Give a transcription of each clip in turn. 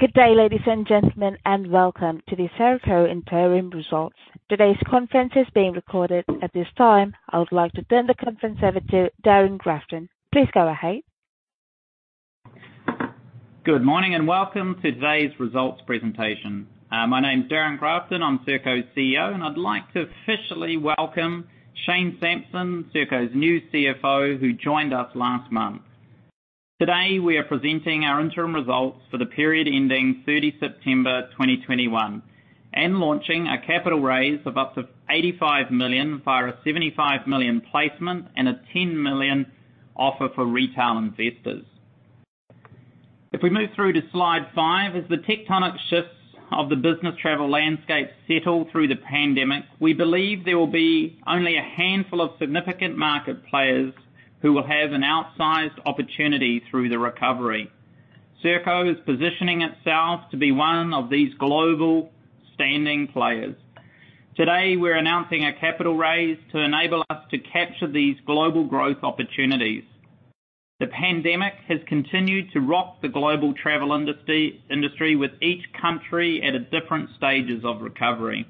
Good day, ladies and gentlemen, and welcome to the Serko Interim Results. Today's conference is being recorded. At this time, I would like to turn the conference over to Darrin Grafton. Please go ahead. Good morning, and welcome to today's results presentation. My name is Darrin Grafton, I'm Serko's CEO, and I'd like to officially welcome Shane Sampson, Serko's new CFO, who joined us last month. Today, we are presenting our interim results for the period ending 30 September 2021, and launching a capital raise of up to 85 million via a 75 million placement and a 10 million offer for retail investors. If we move through to slide 5. As the tectonic shifts of the business travel landscape settle through the pandemic, we believe there will be only a handful of significant market players who will have an outsized opportunity through the recovery. Serko is positioning itself to be one of these global standing players. Today, we're announcing a capital raise to enable us to capture these global growth opportunities. The pandemic has continued to rock the global travel industry, with each country at different stages of recovery.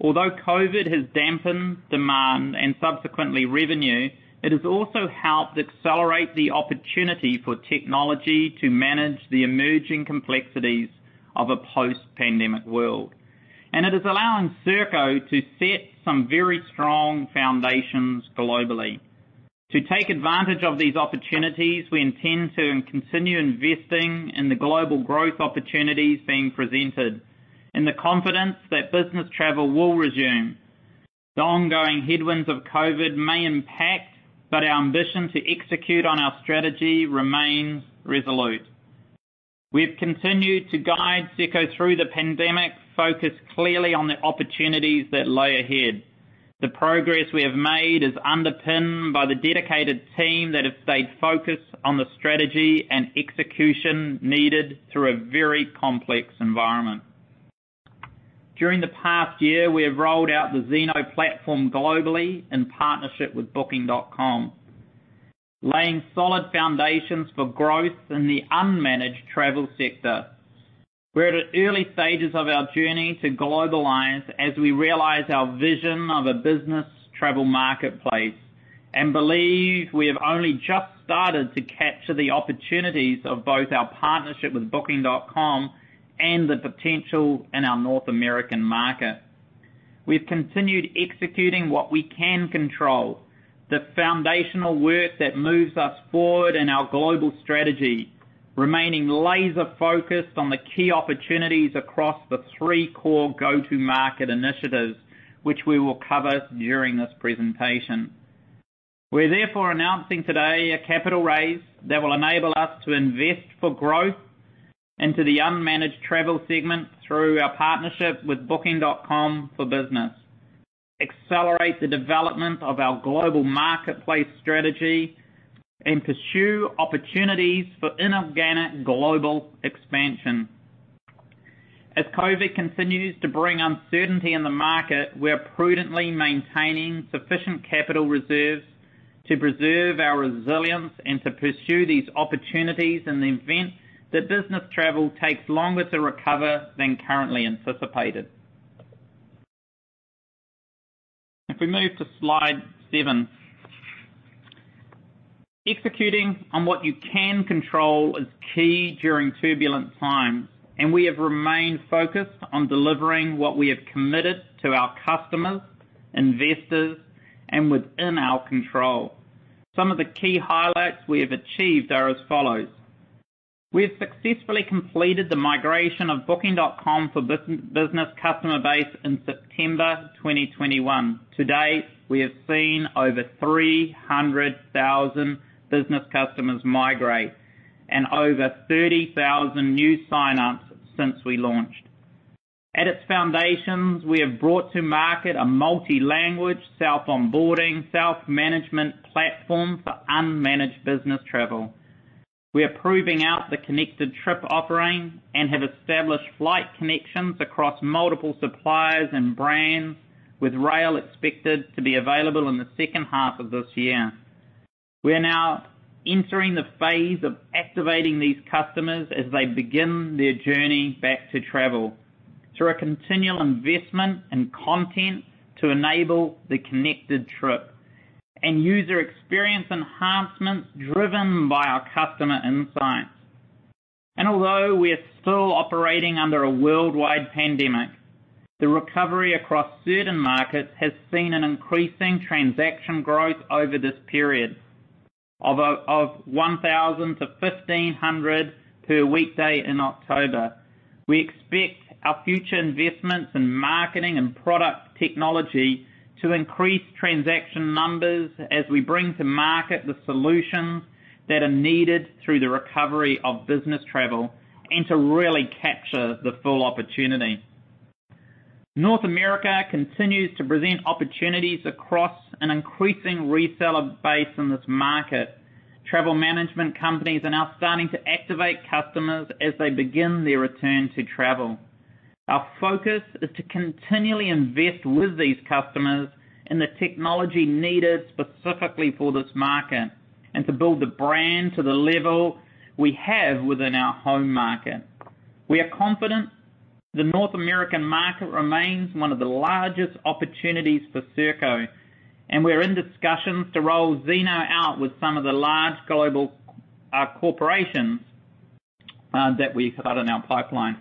Although COVID has dampened demand and subsequently revenue, it has also helped accelerate the opportunity for technology to manage the emerging complexities of a post-pandemic world. It is allowing Serko to set some very strong foundations globally. To take advantage of these opportunities, we intend to continue investing in the global growth opportunities being presented in the confidence that business travel will resume. The ongoing headwinds of COVID may impact, but our ambition to execute on our strategy remains resolute. We've continued to guide Serko through the pandemic, focused clearly on the opportunities that lie ahead. The progress we have made is underpinned by the dedicated team that have stayed focused on the strategy and execution needed through a very complex environment. During the past year, we have rolled out the Zeno platform globally in partnership with Booking.com, laying solid foundations for growth in the unmanaged travel sector. We're at the early stages of our journey to globalize as we realize our vision of a business travel marketplace, and believe we have only just started to capture the opportunities of both our partnership with Booking.com and the potential in our North American market. We've continued executing what we can control, the foundational work that moves us forward in our global strategy, remaining laser-focused on the key opportunities across the three core go-to market initiatives, which we will cover during this presentation. We're therefore announcing today a capital raise that will enable us to invest for growth into the unmanaged travel segment through our partnership with Booking.com for Business, accelerate the development of our global marketplace strategy, and pursue opportunities for inorganic global expansion. As COVID continues to bring uncertainty in the market, we're prudently maintaining sufficient capital reserves to preserve our resilience and to pursue these opportunities in the event that business travel takes longer to recover than currently anticipated. If we move to slide 7. Executing on what you can control is key during turbulent times, and we have remained focused on delivering what we have committed to our customers, investors, and within our control. Some of the key highlights we have achieved are as follows: We have successfully completed the migration of Booking.com for Business customer base in September 2021. To date, we have seen over 300,000 business customers migrate and over 30,000 new sign-ups since we launched. At its foundations, we have brought to market a multi-language, self-onboarding, self-management platform for unmanaged business travel. We are proving out the Connected Trip offering and have established flight connections across multiple suppliers and brands, with rail expected to be available in the second half of this year. We are now entering the phase of activating these customers as they begin their journey back to travel through a continual investment in content to enable the Connected Trip and user experience enhancements driven by our customer insights. Although we are still operating under a worldwide pandemic, the recovery across certain markets has seen an increasing transaction growth over this period of 1,000-1,500 per weekday in October. We expect our future investments in marketing and product technology to increase transaction numbers as we bring to market the solutions that are needed through the recovery of business travel and to really capture the full opportunity. North America continues to present opportunities across an increasing reseller base in this market. Travel management companies are now starting to activate customers as they begin their return to travel. Our focus is to continually invest with these customers in the technology needed specifically for this market and to build the brand to the level we have within our home market. We are confident the North American market remains one of the largest opportunities for Serko, and we're in discussions to roll Zeno out with some of the large global corporations that we've got in our pipeline.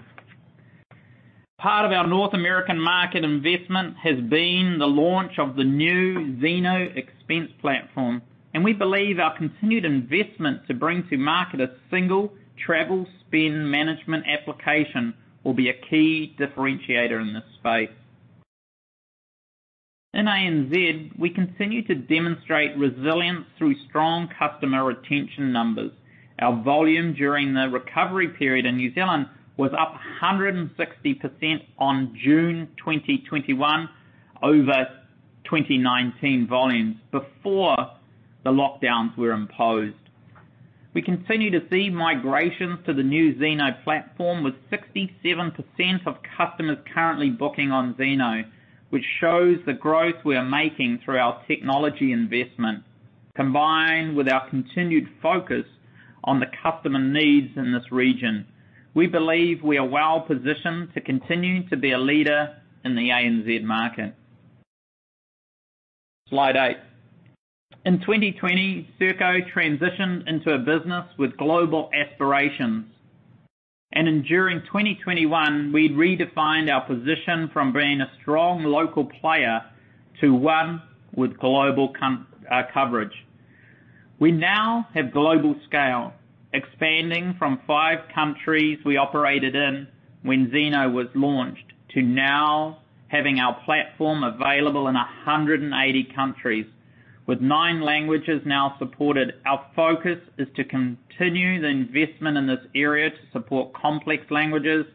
Part of our North American market investment has been the launch of the new Zeno Expense platform, and we believe our continued investment to bring to market a single travel spend management application will be a key differentiator in this space. In ANZ, we continue to demonstrate resilience through strong customer retention numbers. Our volume during the recovery period in New Zealand was up 160% on June 2021 over 2019 volumes before the lockdowns were imposed. We continue to see migrations to the new Zeno platform, with 67% of customers currently booking on Zeno, which shows the growth we are making through our technology investment. Combined with our continued focus on the customer needs in this region, we believe we are well positioned to continue to be a leader in the ANZ market. Slide eight. In 2020, Serko transitioned into a business with global aspirations. During 2021, we redefined our position from being a strong local player to one with global coverage. We now have global scale, expanding from 5 countries we operated in when Zeno was launched to now having our platform available in 180 countries. With nine languages now supported, our focus is to continue the investment in this area to support complex languages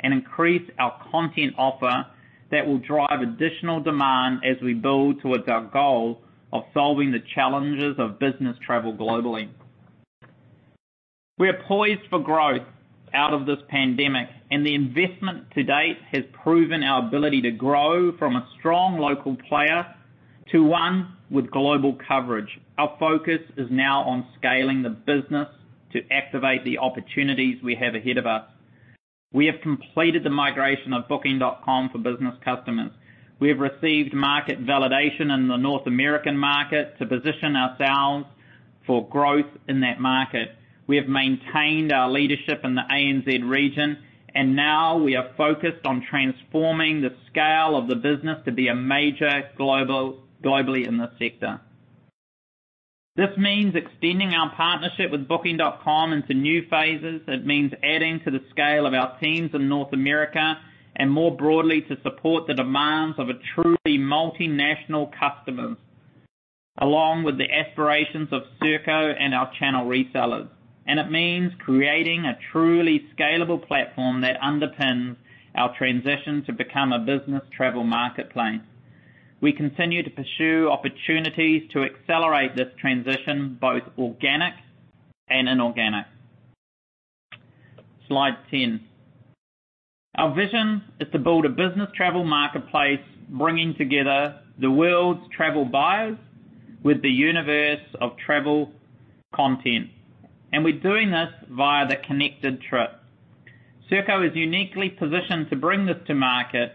and increase our content offer that will drive additional demand as we build towards our goal of solving the challenges of business travel globally. We are poised for growth out of this pandemic, and the investment to date has proven our ability to grow from a strong local player to one with global coverage. Our focus is now on scaling the business to activate the opportunities we have ahead of us. We have completed the migration of Booking.com for Business customers. We have received market validation in the North American market to position ourselves for growth in that market. We have maintained our leadership in the ANZ region, and now we are focused on transforming the scale of the business to be a major globally in this sector. This means extending our partnership with Booking.com into new phases. It means adding to the scale of our teams in North America and more broadly to support the demands of a truly multinational customers, along with the aspirations of Serko and our channel resellers. It means creating a truly scalable platform that underpins our transition to become a business travel marketplace. We continue to pursue opportunities to accelerate this transition, both organic and inorganic. Slide 10. Our vision is to build a business travel marketplace, bringing together the world's travel buyers with the universe of travel content. We're doing this via the Connected Trip. Serko is uniquely positioned to bring this to market.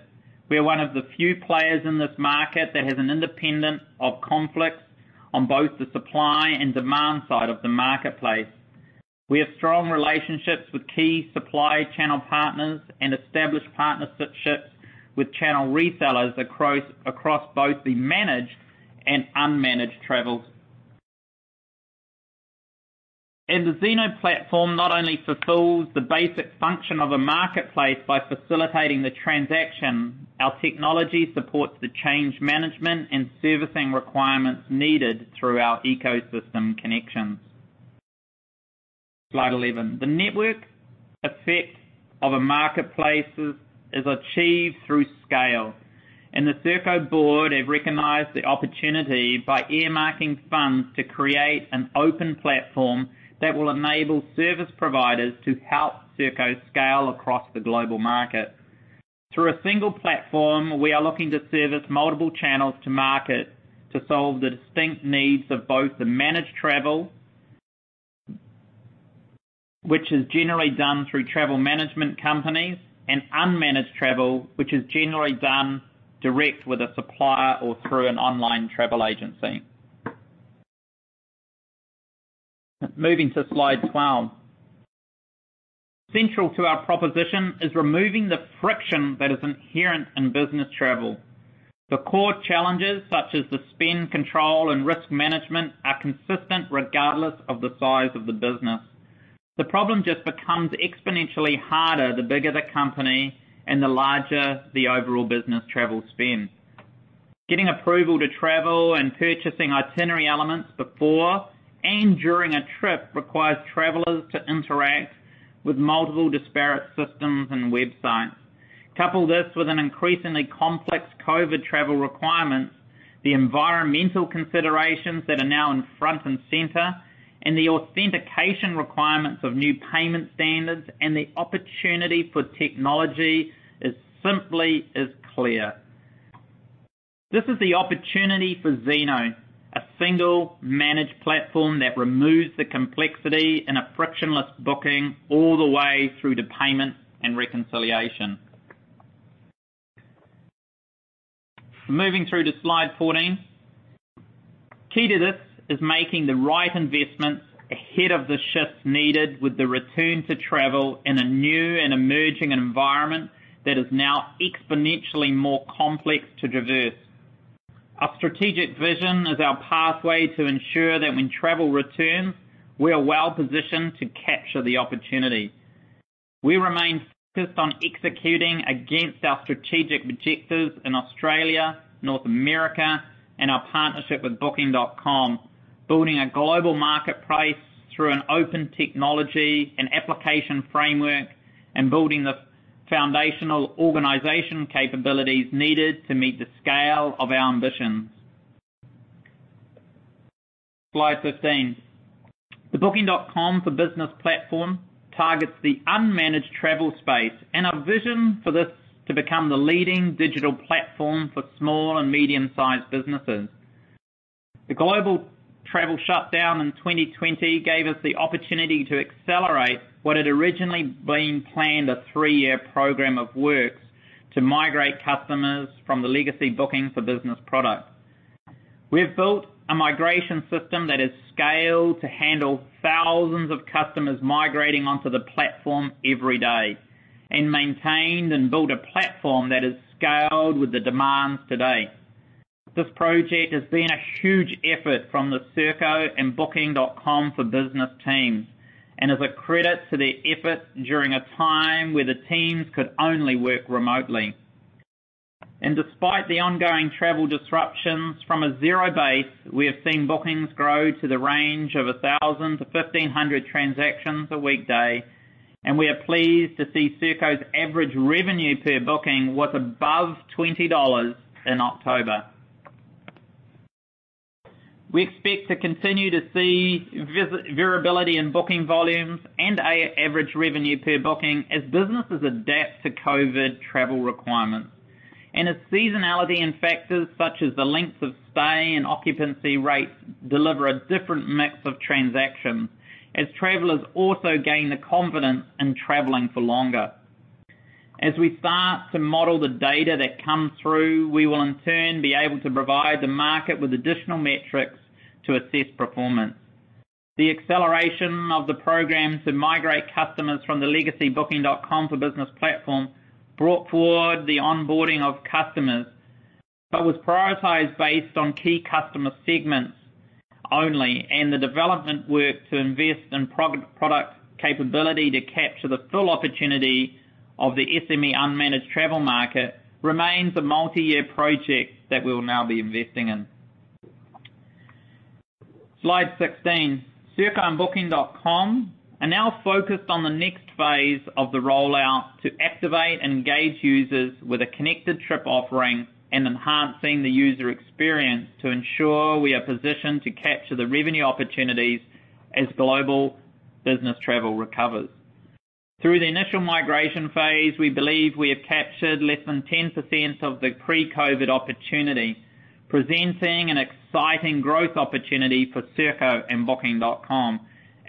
We are one of the few players in this market that has an independence from conflicts on both the supply and demand side of the marketplace. We have strong relationships with key supply channel partners and established partnerships with channel resellers across both the managed and unmanaged travel. The Zeno platform not only fulfills the basic function of a marketplace by facilitating the transaction, our technology supports the change management and servicing requirements needed through our ecosystem connections. Slide 11. The network effect of a marketplace is achieved through scale, and the Serko board have recognized the opportunity by earmarking funds to create an open platform that will enable service providers to help Serko scale across the global market. Through a single platform, we are looking to service multiple channels to market to solve the distinct needs of both the managed travel, which is generally done through travel management companies, and unmanaged travel, which is generally done direct with a supplier or through an online travel agency. Moving to slide 12. Central to our proposition is removing the friction that is inherent in business travel. The core challenges, such as the spend control and risk management, are consistent regardless of the size of the business. The problem just becomes exponentially harder, the bigger the company and the larger the overall business travel spend. Getting approval to travel and purchasing itinerary elements before and during a trip requires travelers to interact with multiple disparate systems and websites. Couple this with an increasingly complex COVID travel requirements. The environmental considerations that are now in front and center, and the authentication requirements of new payment standards and the opportunity for technology is simply as clear. This is the opportunity for Zeno, a single managed platform that removes the complexity in a frictionless booking all the way through to payment and reconciliation. Moving through to slide 14. Key to this is making the right investments ahead of the shifts needed with the return to travel in a new and emerging environment that is now exponentially more complex to traverse. Our strategic vision is our pathway to ensure that when travel returns, we are well-positioned to capture the opportunity. We remain focused on executing against our strategic objectives in Australia, North America, and our partnership with Booking.com, building a global marketplace through an open technology and application framework, and building the foundational organization capabilities needed to meet the scale of our ambitions. Slide 15. The Booking.com for Business platform targets the unmanaged travel space and our vision for this to become the leading digital platform for small and medium-sized businesses. The global travel shutdown in 2020 gave us the opportunity to accelerate what had originally been planned a three-year program of works to migrate customers from the legacy Booking.com for Business products. We have built a migration system that is scaled to handle thousands of customers migrating onto the platform every day, and maintained and built a platform that is scaled with the demands today. This project has been a huge effort from the Serko and Booking.com for Business teams, and is a credit to their efforts during a time where the teams could only work remotely. Despite the ongoing travel disruptions from a zero base, we have seen bookings grow to the range of 1,000-1,500 transactions a weekday, and we are pleased to see Serko's average revenue per booking was above 20 dollars in October. We expect to continue to see variability in booking volumes and an average revenue per booking as businesses adapt to COVID travel requirements. As seasonality and factors such as the length of stay and occupancy rates deliver a different mix of transactions as travelers also gain the confidence in traveling for longer. As we start to model the data that comes through, we will in turn be able to provide the market with additional metrics to assess performance. The acceleration of the program to migrate customers from the legacy Booking.com for Business platform brought forward the onboarding of customers, but was prioritized based on key customer segments only. The development work to invest in product capability to capture the full opportunity of the SME unmanaged travel market remains a multi-year project that we'll now be investing in. Slide 16. Serko and Booking.com are now focused on the next phase of the rollout to activate and engage users with a Connected Trip offering and enhancing the user experience to ensure we are positioned to capture the revenue opportunities as global business travel recovers. Through the initial migration phase, we believe we have captured less than 10% of the pre-COVID opportunity, presenting an exciting growth opportunity for Serko and Booking.com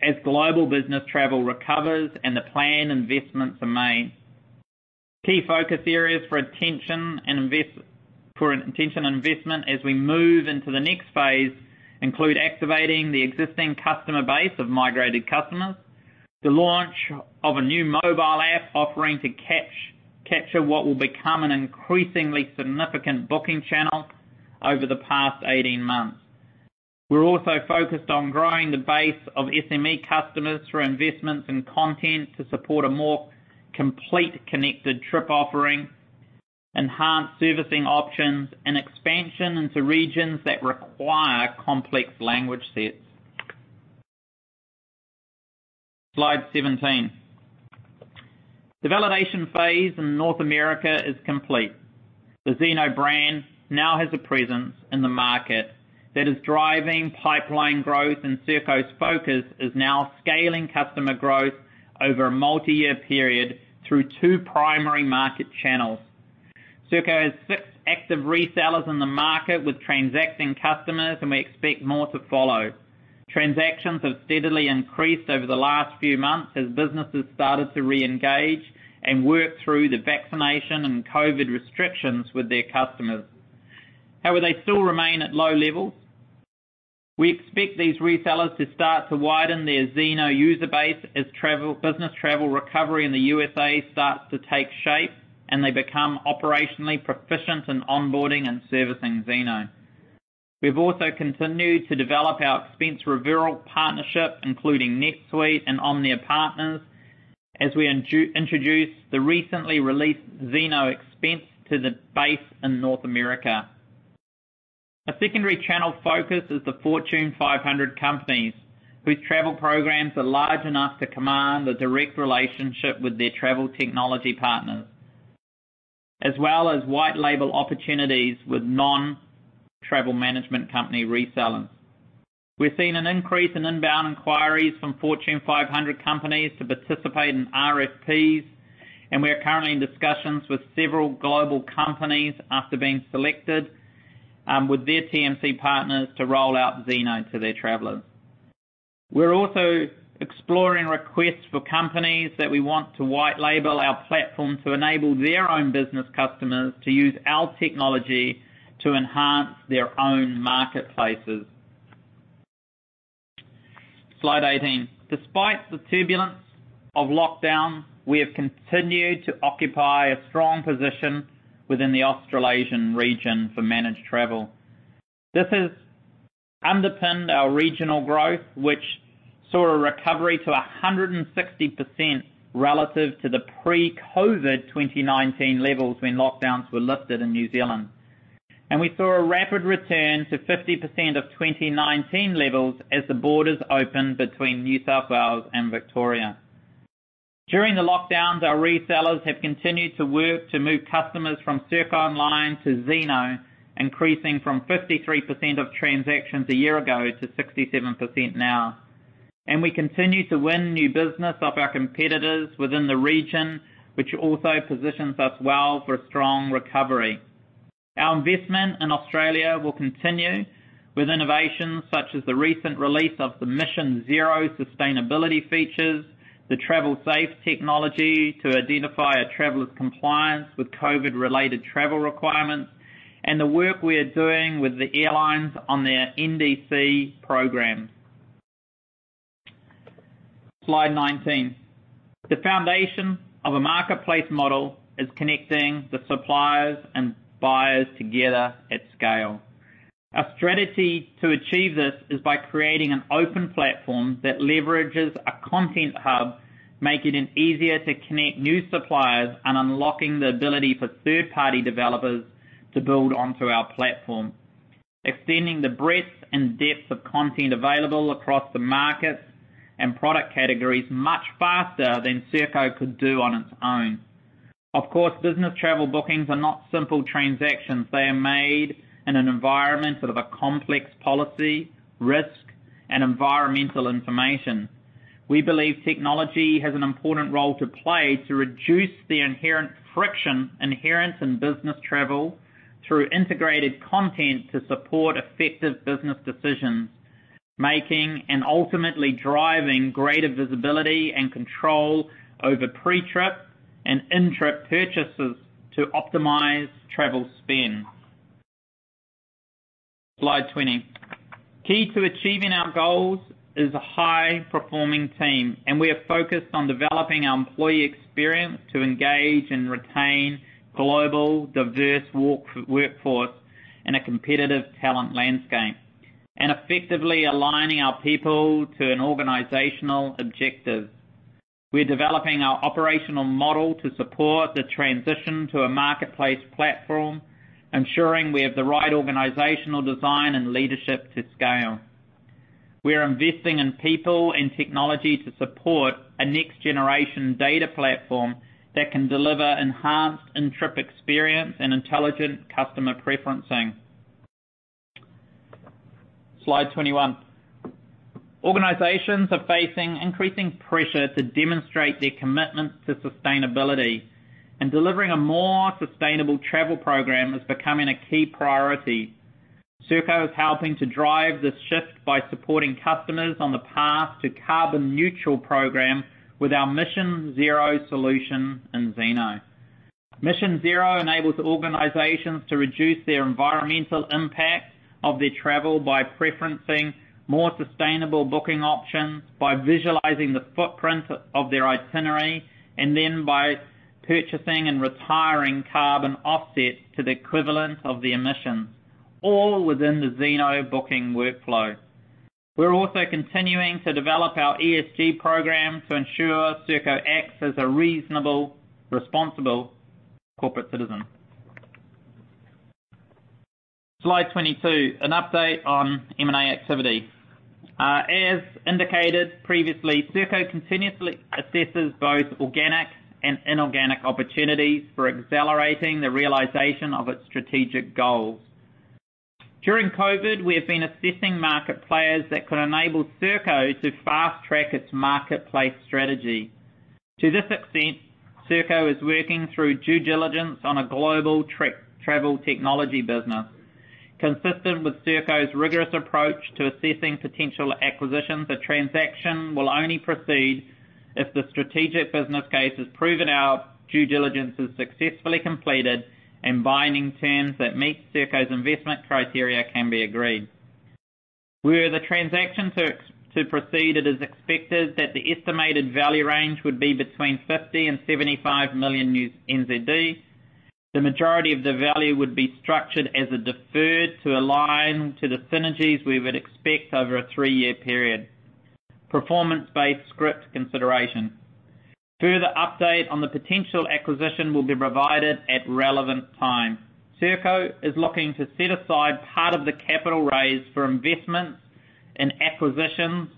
as global business travel recovers and the planned investments are made. Key focus areas for attention and intention and investment as we move into the next phase include activating the existing customer base of migrated customers, the launch of a new mobile app offering to capture what will become an increasingly significant booking channel over the next 18 months. We're also focused on growing the base of SME customers through investments in content to support a more complete Connected Trip offering, enhanced servicing options, and expansion into regions that require complex language sets. Slide 17. The validation phase in North America is complete. The Zeno brand now has a presence in the market that is driving pipeline growth, and Serko's focus is now scaling customer growth over a multi-year period through two primary market channels. Serko has six active resellers in the market with transacting customers, and we expect more to follow. Transactions have steadily increased over the last few months as businesses started to reengage and work through the vaccination and COVID restrictions with their customers. However, they still remain at low levels. We expect these resellers to start to widen their Zeno user base as business travel recovery in the U.S. starts to take shape, and they become operationally proficient in onboarding and servicing Zeno. We've also continued to develop our expense referral partnership, including NetSuite and OMNIA Partners, as we introduce the recently released Zeno Expense to the base in North America. A secondary channel focus is the Fortune 500 companies whose travel programs are large enough to command a direct relationship with their travel technology partners, as well as white label opportunities with non-travel management company resellers. We're seeing an increase in inbound inquiries from Fortune 500 companies to participate in RFPs, and we are currently in discussions with several global companies after being selected with their TMC partners to roll out Zeno to their travelers. We're also exploring requests for companies that we want to white label our platform to enable their own business customers to use our technology to enhance their own marketplaces. Slide 18. Despite the turbulence of lockdown, we have continued to occupy a strong position within the Australasian region for managed travel. This has underpinned our regional growth, which saw a recovery to 160% relative to the pre-COVID 2019 levels when lockdowns were lifted in New Zealand. We saw a rapid return to 50% of 2019 levels as the borders opened between New South Wales and Victoria. During the lockdowns, our resellers have continued to work to move customers from Serko Online to Zeno, increasing from 53% of transactions a year ago to 67% now. We continue to win new business off our competitors within the region, which also positions us well for a strong recovery. Our investment in Australia will continue with innovations such as the recent release of the Mission Zero sustainability features, the TravelSafe technology to identify a traveler's compliance with COVID-related travel requirements, and the work we are doing with the airlines on their NDC programs. Slide 19. The foundation of a marketplace model is connecting the suppliers and buyers together at scale. A strategy to achieve this is by creating an open platform that leverages a content hub, making it easier to connect new suppliers and unlocking the ability for third-party developers to build onto our platform. Extending the breadth and depth of content available across the markets and product categories much faster than Serko could do on its own. Of course, business travel bookings are not simple transactions. They are made in an environment of a complex policy, risk, and environmental information. We believe technology has an important role to play to reduce the inherent friction in business travel through integrated content to support effective business decision making and ultimately driving greater visibility and control over pre-trip and in-trip purchases to optimize travel spend. Slide 20. Key to achieving our goals is a high-performing team, and we are focused on developing our employee experience to engage and retain global, diverse workforce in a competitive talent landscape, and effectively aligning our people to an organizational objective. We're developing our operational model to support the transition to a marketplace platform, ensuring we have the right organizational design and leadership to scale. We are investing in people and technology to support a next-generation data platform that can deliver enhanced in-trip experience and intelligent customer preferencing. Slide 21. Organizations are facing increasing pressure to demonstrate their commitment to sustainability, and delivering a more sustainable travel program is becoming a key priority. Serko is helping to drive this shift by supporting customers on the path to carbon-neutral program with our Mission Zero solution in Zeno. Mission Zero enables organizations to reduce their environmental impact of their travel by preferencing more sustainable booking options, by visualizing the footprint of their itinerary, and then by purchasing and retiring carbon offsets to the equivalent of the emissions, all within the Zeno booking workflow. We're also continuing to develop our ESG program to ensure Serko acts as a reasonable, responsible corporate citizen. Slide 22, an update on M&A activity. As indicated previously, Serko continuously assesses both organic and inorganic opportunities for accelerating the realization of its strategic goals. During COVID, we have been assessing market players that could enable Serko to fast-track its marketplace strategy. To this extent, Serko is working through due diligence on a global travel technology business. Consistent with Serko's rigorous approach to assessing potential acquisitions, a transaction will only proceed if the strategic business case has proven our due diligence is successfully completed and binding terms that meet Serko's investment criteria can be agreed. Were the transaction to proceed, it is expected that the estimated value range would be between 50 million and 75 million NZD. The majority of the value would be structured as a deferred performance-based scrip consideration to align to the synergies we would expect over a three-year period. Further update on the potential acquisition will be provided at the relevant time. Serko is looking to set aside part of the capital raise for investments and acquisitions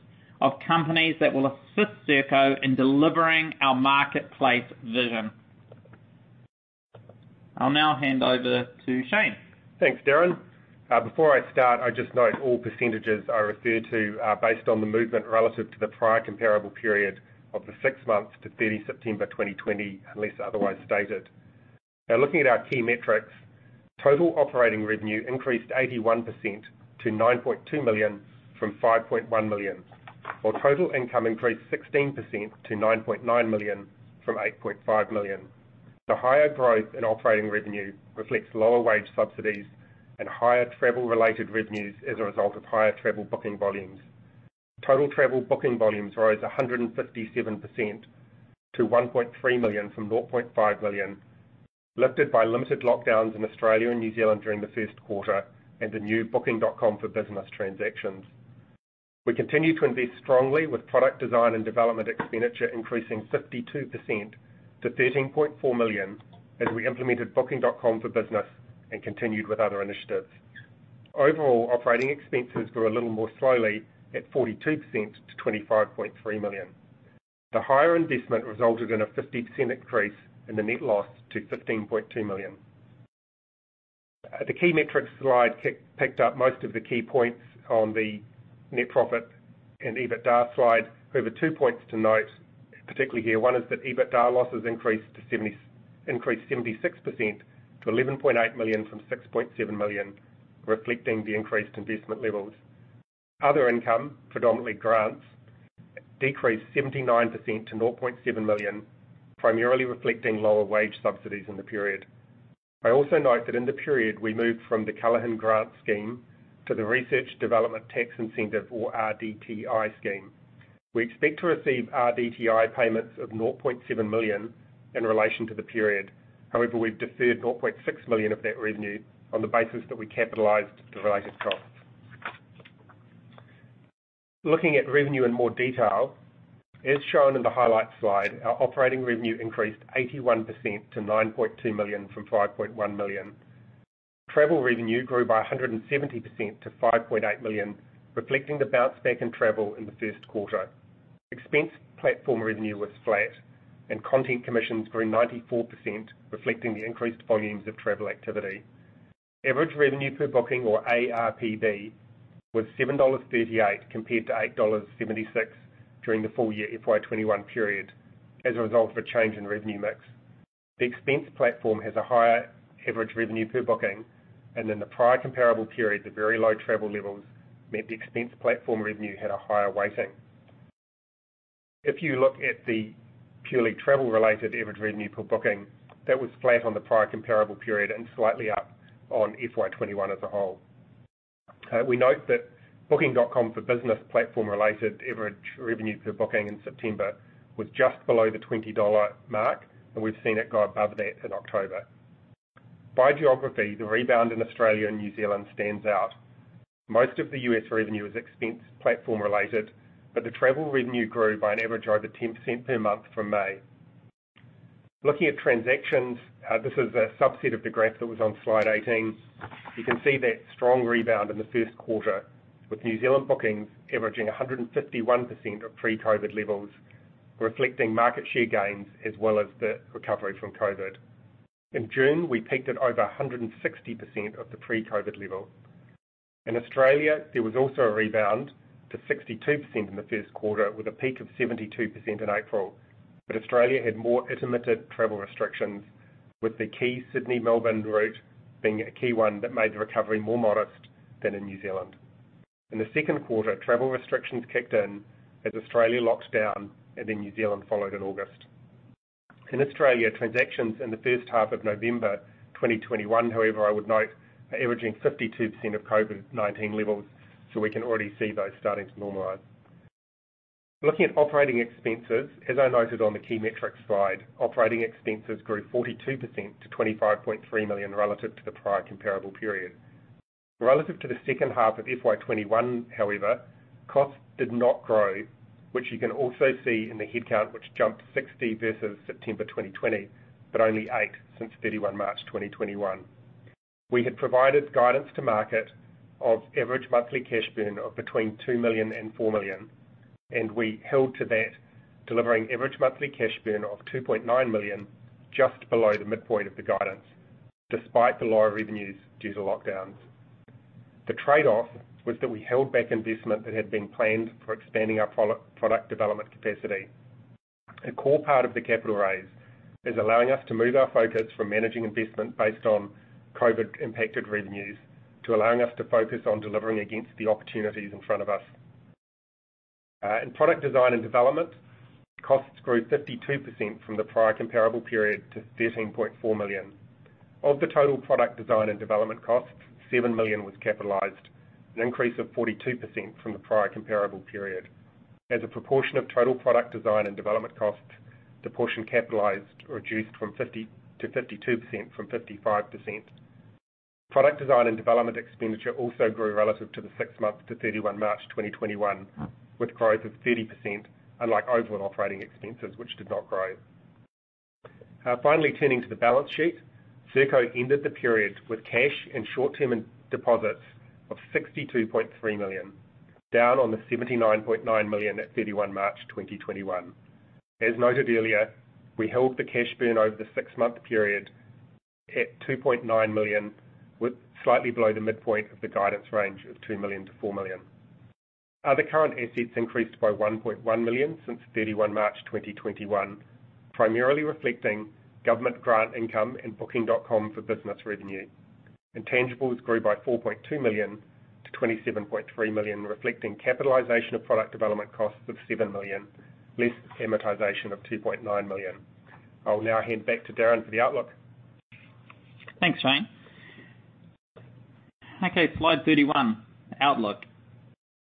of companies that will assist Serko in delivering our marketplace vision. I'll now hand over to Shane. Thanks, Darrin. Before I start, I just note all percentages I refer to are based on the movement relative to the prior comparable period of the six months to 30 September 2020, unless otherwise stated. Now, looking at our key metrics, total operating revenue increased 81% to 9.2 million from 5.1 million. While total income increased 16% to 9.9 million from 8.5 million. The higher growth in operating revenue reflects lower wage subsidies and higher travel-related revenues as a result of higher travel booking volumes. Total travel booking volumes rose 157% to 1.3 million from 0.5 million, lifted by limited lockdowns in Australia and New Zealand during the first quarter and the new Booking.com for Business transactions. We continue to invest strongly with product design and development expenditure increasing 52% to 13.4 million as we implemented Booking.com for Business and continued with other initiatives. Overall, operating expenses grew a little more slowly at 42% to 25.3 million. The higher investment resulted in a 50% increase in the net loss to 15.2 million. The key metrics slide picked up most of the key points on the net profit and EBITDA slide. However, two points to note, particularly here. One is that EBITDA losses increased 76% to 11.8 million from 6.7 million, reflecting the increased investment levels. Other income, predominantly grants, decreased 79% to 0.7 million, primarily reflecting lower wage subsidies in the period. I also note that in the period we moved from the Callaghan Growth Grant scheme to the Research Development Tax Incentive or RDTI scheme. We expect to receive RDTI payments of 0.7 million in relation to the period. However, we've deferred 0.6 million of that revenue on the basis that we capitalized the related costs. Looking at revenue in more detail. As shown in the highlights slide, our operating revenue increased 81% to 9.2 million from 5.1 million. Travel revenue grew by 170% to 5.8 million, reflecting the bounce back in travel in the first quarter. Expense platform revenue was flat and content commissions grew 94%, reflecting the increased volumes of travel activity. Average revenue per booking or ARPB was 7.38 dollars compared to 8.76 dollars during the full year FY 2021 period as a result of a change in revenue mix. The expense platform has a higher average revenue per booking and in the prior comparable period, the very low travel levels meant the expense platform revenue had a higher weighting. If you look at the purely travel-related average revenue per booking, that was flat on the prior comparable period and slightly up on FY 2021 as a whole. We note that Booking.com for Business platform-related average revenue per booking in September was just below the 20 dollar mark, and we've seen it go above that in October. By geography, the rebound in Australia and New Zealand stands out. Most of the U.S. revenue is expense platform-related, but the travel revenue grew by an average over 10% per month from May. Looking at transactions, this is a subset of the graph that was on slide 18. You can see that strong rebound in the first quarter with New Zealand bookings averaging 151% of pre-COVID levels, reflecting market share gains as well as the recovery from COVID. In June, we peaked at over 160% of the pre-COVID level. In Australia, there was also a rebound to 62% in the first quarter, with a peak of 72% in April. Australia had more intermittent travel restrictions, with the key Sydney-Melbourne route being a key one that made the recovery more modest than in New Zealand. In the second quarter, travel restrictions kicked in as Australia locked down and then New Zealand followed in August. In Australia, transactions in the first half of November 2021, however, I would note, are averaging 52% of COVID-19 levels. We can already see those starting to normalize. Looking at operating expenses, as I noted on the key metrics slide, operating expenses grew 42% to 25.3 million relative to the prior comparable period. Relative to the second half of FY 2021, however, costs did not grow, which you can also see in the headcount, which jumped 60 versus September 2020, but only eight since 31 March 2021. We had provided guidance to market of average monthly cash burn of between 2 million and 4 million, and we held to that, delivering average monthly cash burn of 2.9 million just below the midpoint of the guidance, despite the lower revenues due to lockdowns. The trade-off was that we held back investment that had been planned for expanding our product development capacity. A core part of the capital raise is allowing us to move our focus from managing investment based on COVID-impacted revenues to allowing us to focus on delivering against the opportunities in front of us. In product design and development, costs grew 52% from the prior comparable period to 13.4 million. Of the total product design and development costs, 7 million was capitalized, an increase of 42% from the prior comparable period. As a proportion of total product design and development costs, the portion capitalized reduced from 55% to 52%. Product design and development expenditure also grew relative to the six months to 31 March 2021, with growth of 30%, unlike overall operating expenses, which did not grow. Finally turning to the balance sheet. Serko ended the period with cash and short-term deposits of 62.3 million, down on the 79.9 million at 31 March 2021. As noted earlier, we held the cash burn over the six-month period at 2.9 million, which is slightly below the midpoint of the guidance range of 2 million-4 million. Other current assets increased by 1.1 million since 31 March 2021, primarily reflecting government grant income and Booking.com for Business revenue. Intangibles grew by 4.2 million to 27.3 million, reflecting capitalization of product development costs of 7 million, less amortization of 2.9 million. I'll now hand back to Darrin for the outlook. Thanks, Shane. Okay, slide 31, outlook.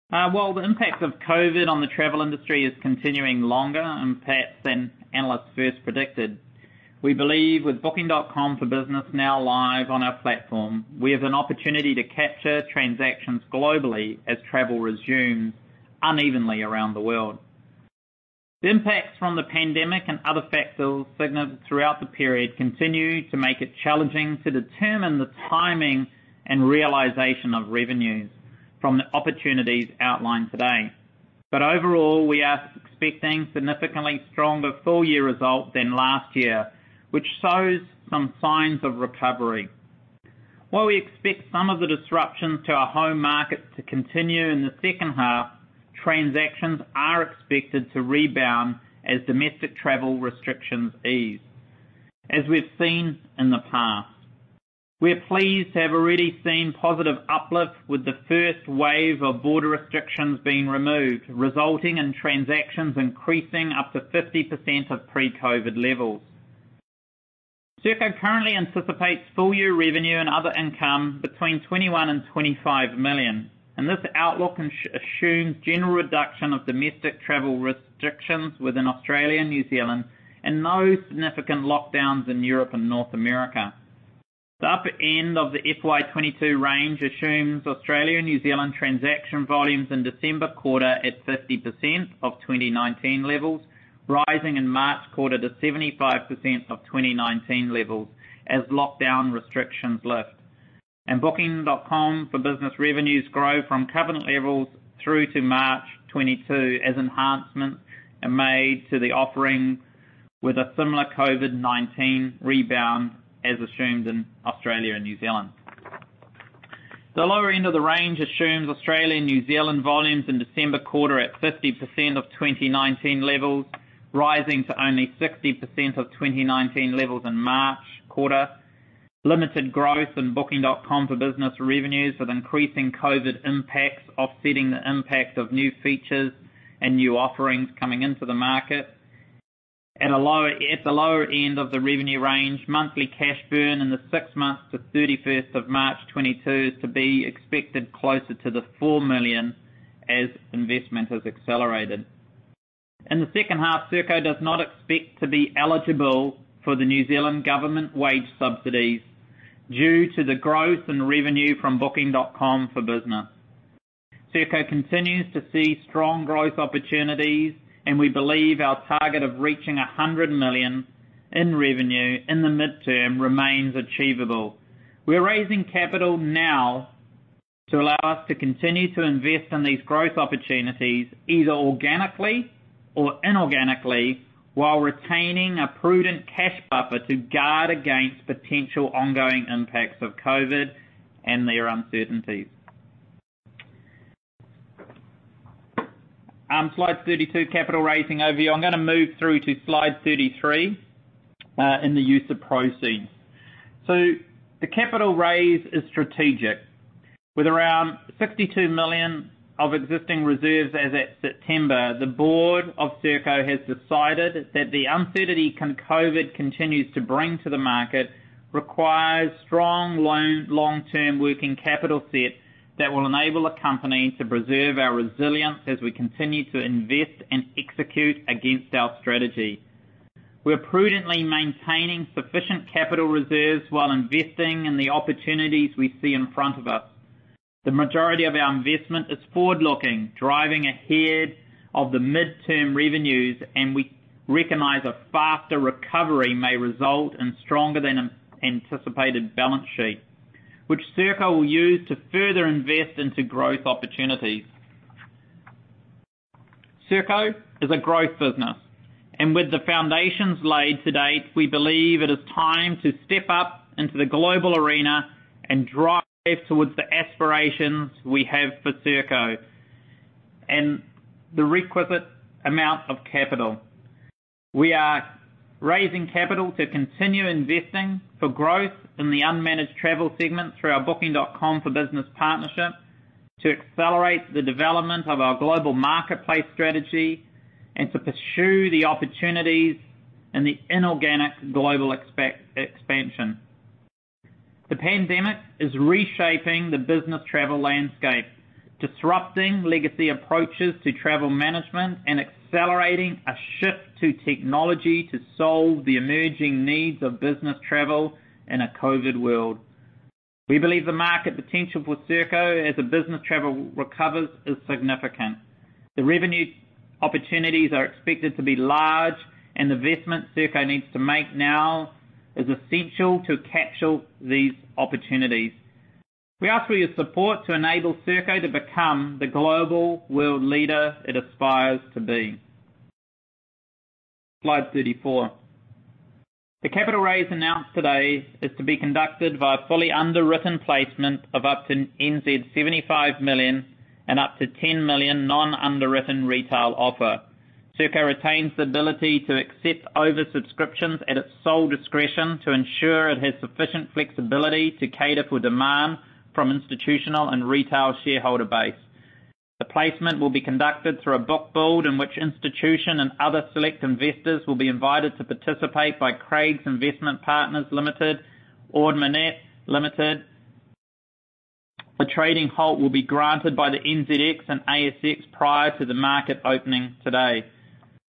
While the impact of COVID on the travel industry is continuing longer and perhaps than analysts first predicted, we believe with Booking.com for Business now live on our platform, we have an opportunity to capture transactions globally as travel resumes unevenly around the world. The impacts from the pandemic and other factors significant throughout the period continue to make it challenging to determine the timing and realization of revenues from the opportunities outlined today. Overall, we are expecting significantly stronger full year results than last year, which shows some signs of recovery. While we expect some of the disruptions to our home market to continue in the second half, transactions are expected to rebound as domestic travel restrictions ease, as we've seen in the past. We are pleased to have already seen positive uplift with the first wave of border restrictions being removed, resulting in transactions increasing up to 50% of pre-COVID levels. Serko currently anticipates full year revenue and other income between 21 million-25 million, and this outlook assumes general reduction of domestic travel restrictions within Australia and New Zealand, and no significant lockdowns in Europe and North America. The upper end of the FY 2022 range assumes Australia and New Zealand transaction volumes in December quarter at 50% of 2019 levels, rising in March quarter to 75% of 2019 levels as lockdown restrictions lift. booking.com for Business revenues grow from current levels through to March 2022 as enhancements are made to the offering with a similar COVID-19 rebound as assumed in Australia and New Zealand. The lower end of the range assumes Australia and New Zealand volumes in December quarter at 50% of 2019 levels, rising to only 60% of 2019 levels in March quarter. Limited growth in Booking.com for Business revenues, with increasing COVID impacts offsetting the impact of new features and new offerings coming into the market. At the lower end of the revenue range, monthly cash burn in the six months to 31 March 2022 is to be expected closer to 4 million as investment has accelerated. In the second half, Serko does not expect to be eligible for the New Zealand Government wage subsidies due to the growth in revenue from Booking.com for Business. Serko continues to see strong growth opportunities, and we believe our target of reaching 100 million in revenue in the midterm remains achievable. We're raising capital now to allow us to continue to invest in these growth opportunities either organically or inorganically, while retaining a prudent cash buffer to guard against potential ongoing impacts of COVID and their uncertainties. Slide 32, capital raising overview. I'm gonna move through to slide 33, in the use of proceeds. The capital raise is strategic. With around 62 million of existing reserves as at September, the board of Serko has decided that the uncertainty COVID continues to bring to the market requires strong long-term working capital set that will enable the company to preserve our resilience as we continue to invest and execute against our strategy. We're prudently maintaining sufficient capital reserves while investing in the opportunities we see in front of us. The majority of our investment is forward-looking, driving ahead of the midterm revenues, and we recognize a faster recovery may result in stronger than anticipated balance sheet, which Serko will use to further invest into growth opportunities. Serko is a growth business, and with the foundations laid to date, we believe it is time to step up into the global arena and drive towards the aspirations we have for Serko, and the requisite amount of capital. We are raising capital to continue investing for growth in the unmanaged travel segment through our Booking.com for Business partnership, to accelerate the development of our global marketplace strategy and to pursue the opportunities in the inorganic global expansion. The pandemic is reshaping the business travel landscape, disrupting legacy approaches to travel management and accelerating a shift to technology to solve the emerging needs of business travel in a COVID world. We believe the market potential for Serko as the business travel recovers is significant. The revenue opportunities are expected to be large and investment Serko needs to make now is essential to capture these opportunities. We ask for your support to enable Serko to become the global world leader it aspires to be. Slide 34. The capital raise announced today is to be conducted by a fully underwritten placement of up to 75 million and up to 10 million non-underwritten retail offer. Serko retains the ability to accept oversubscriptions at its sole discretion to ensure it has sufficient flexibility to cater for demand from institutional and retail shareholder base. The placement will be conducted through a book build in which institutional and other select investors will be invited to participate by Craigs Investment Partners Limited, Ord Minnett Limited. The trading halt will be granted by the NZX and ASX prior to the market opening today.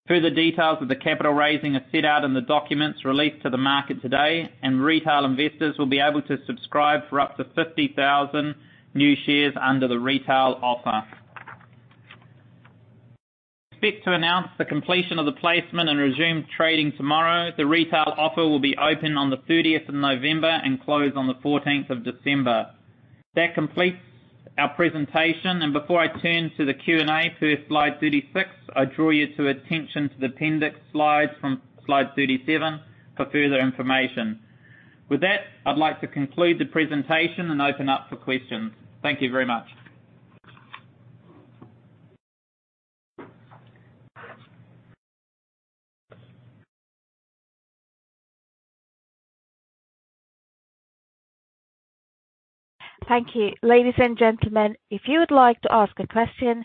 Further details of the capital raising are set out in the documents released to the market today, and retail investors will be able to subscribe for up to 50,000 new shares under the retail offer. Expect to announce the completion of the placement and resume trading tomorrow. The retail offer will be open on the 30th of November and close on the 14th of December. That completes our presentation. Before I turn to the Q&A to slide 36, I draw your attention to the appendix slides from slide 37 for further information. With that, I'd like to conclude the presentation and open up for questions. Thank you very much. Thank you. Ladies and gentlemen, if you would like to ask a question,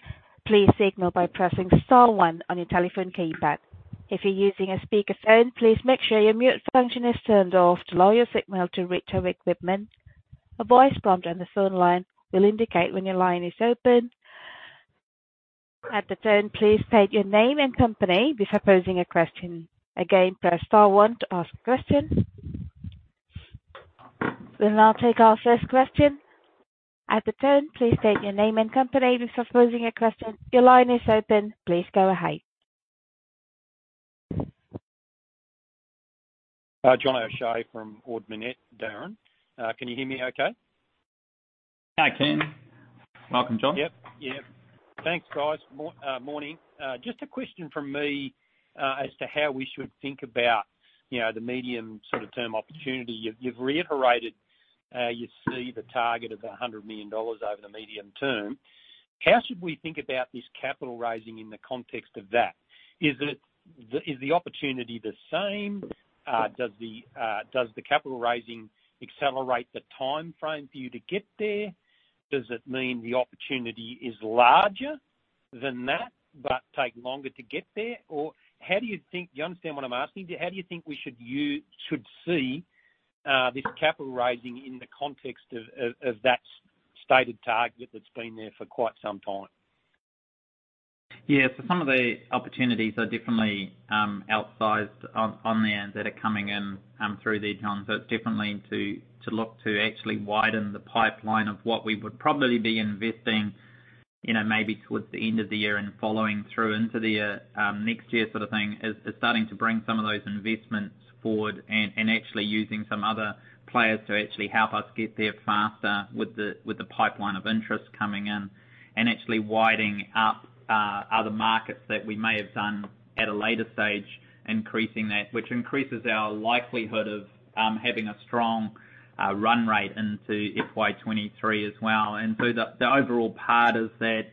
please signal by pressing star one on your telephone keypad. If you're using a speaker phone, please make sure your mute function is turned off to allow your signal to reach our equipment. A voice prompt on the phone line will indicate when your line is open. At the tone, please state your name and company before posing a question. Again, press star one to ask a question. We'll now take our first question. At the tone, please state your name and company before posing a question. Your line is open. Please go ahead. John O'Shea from Ord Minnett, Darrin. Can you hear me okay? I can. Welcome, John O'Shea. Yep. Yeah. Thanks, guys. Morning. Just a question from me, as to how we should think about, you know, the medium sort of term opportunity. You've reiterated you see the target of 100 million dollars over the medium term. How should we think about this capital raising in the context of that? Is the opportunity the same? Does the capital raising accelerate the timeframe for you to get there? Does it mean the opportunity is larger than that, but take longer to get there? Or how do you think. Do you understand what I'm asking? How do you think we should see this capital raising in the context of that stated target that's been there for quite some time? Yeah. Some of the opportunities are definitely outsized on there that are coming in through there, John. It's definitely to look to actually widen the pipeline of what we would probably be investing, you know, maybe towards the end of the year and following through into the next year sort of thing. It's starting to bring some of those investments forward and actually using some other players to actually help us get there faster with the pipeline of interest coming in and actually widening up other markets that we may have done at a later stage, increasing that. Which increases our likelihood of having a strong run rate into FY 2023 as well. The overall part is that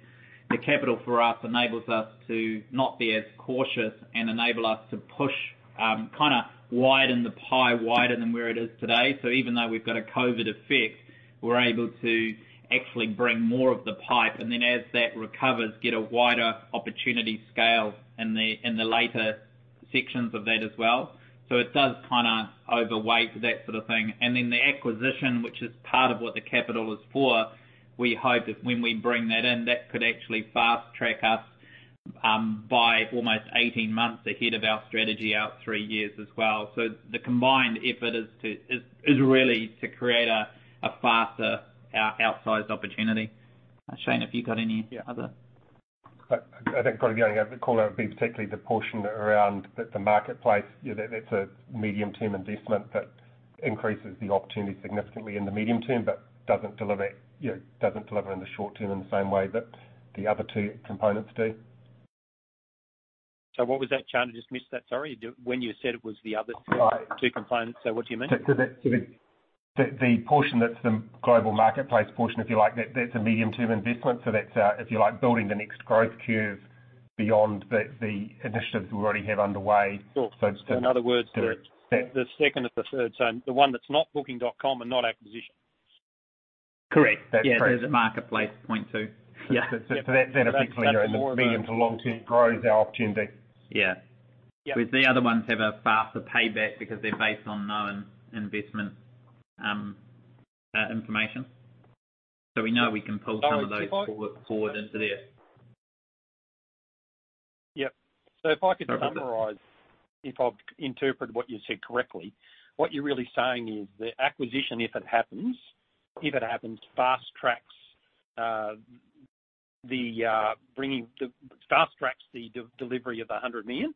the capital for us enables us to not be as cautious and enable us to push, kinda widen the pie wider than where it is today. Even though we've got a COVID effect, we're able to actually bring more of the pie, and then as that recovers, get a wider opportunity scale in the later sections of that as well. It does kinda overweight that sort of thing. Then the acquisition, which is part of what the capital is for, we hope that when we bring that in, that could actually fast-track us by almost 18 months ahead of our strategy out 3 years as well. The combined effort is really to create a faster outsized opportunity. Shane, have you got any other- Yeah. I think, kind of going over the call, it would be particularly the portion around the marketplace. You know, that's a medium-term investment that increases the opportunity significantly in the medium term, but doesn't deliver, you know, doesn't deliver in the short term in the same way that the other two components do. What was that, Shane? I just missed that, sorry. When you said it was the other two- Right two components, so what do you mean? The portion that's the global marketplace portion, if you like, that's a medium-term investment. That's if you like, building the next growth curve beyond the initiatives we already have underway. Cool. So it's- In other words. That- The second or the third. The one that's not booking.com and not acquisition. Correct. That's correct. Yeah, there's a marketplace point too. Yeah. That's that particularly. That's more of a- You know, the medium to long-term growth opportunity. Yeah. With the other ones have a faster payback because they're based on known investment information. We know we can pull some of those forward into there. If I could summarize, if I've interpreted what you said correctly, what you're really saying is the acquisition, if it happens, fast-tracks the delivery of the 100 million.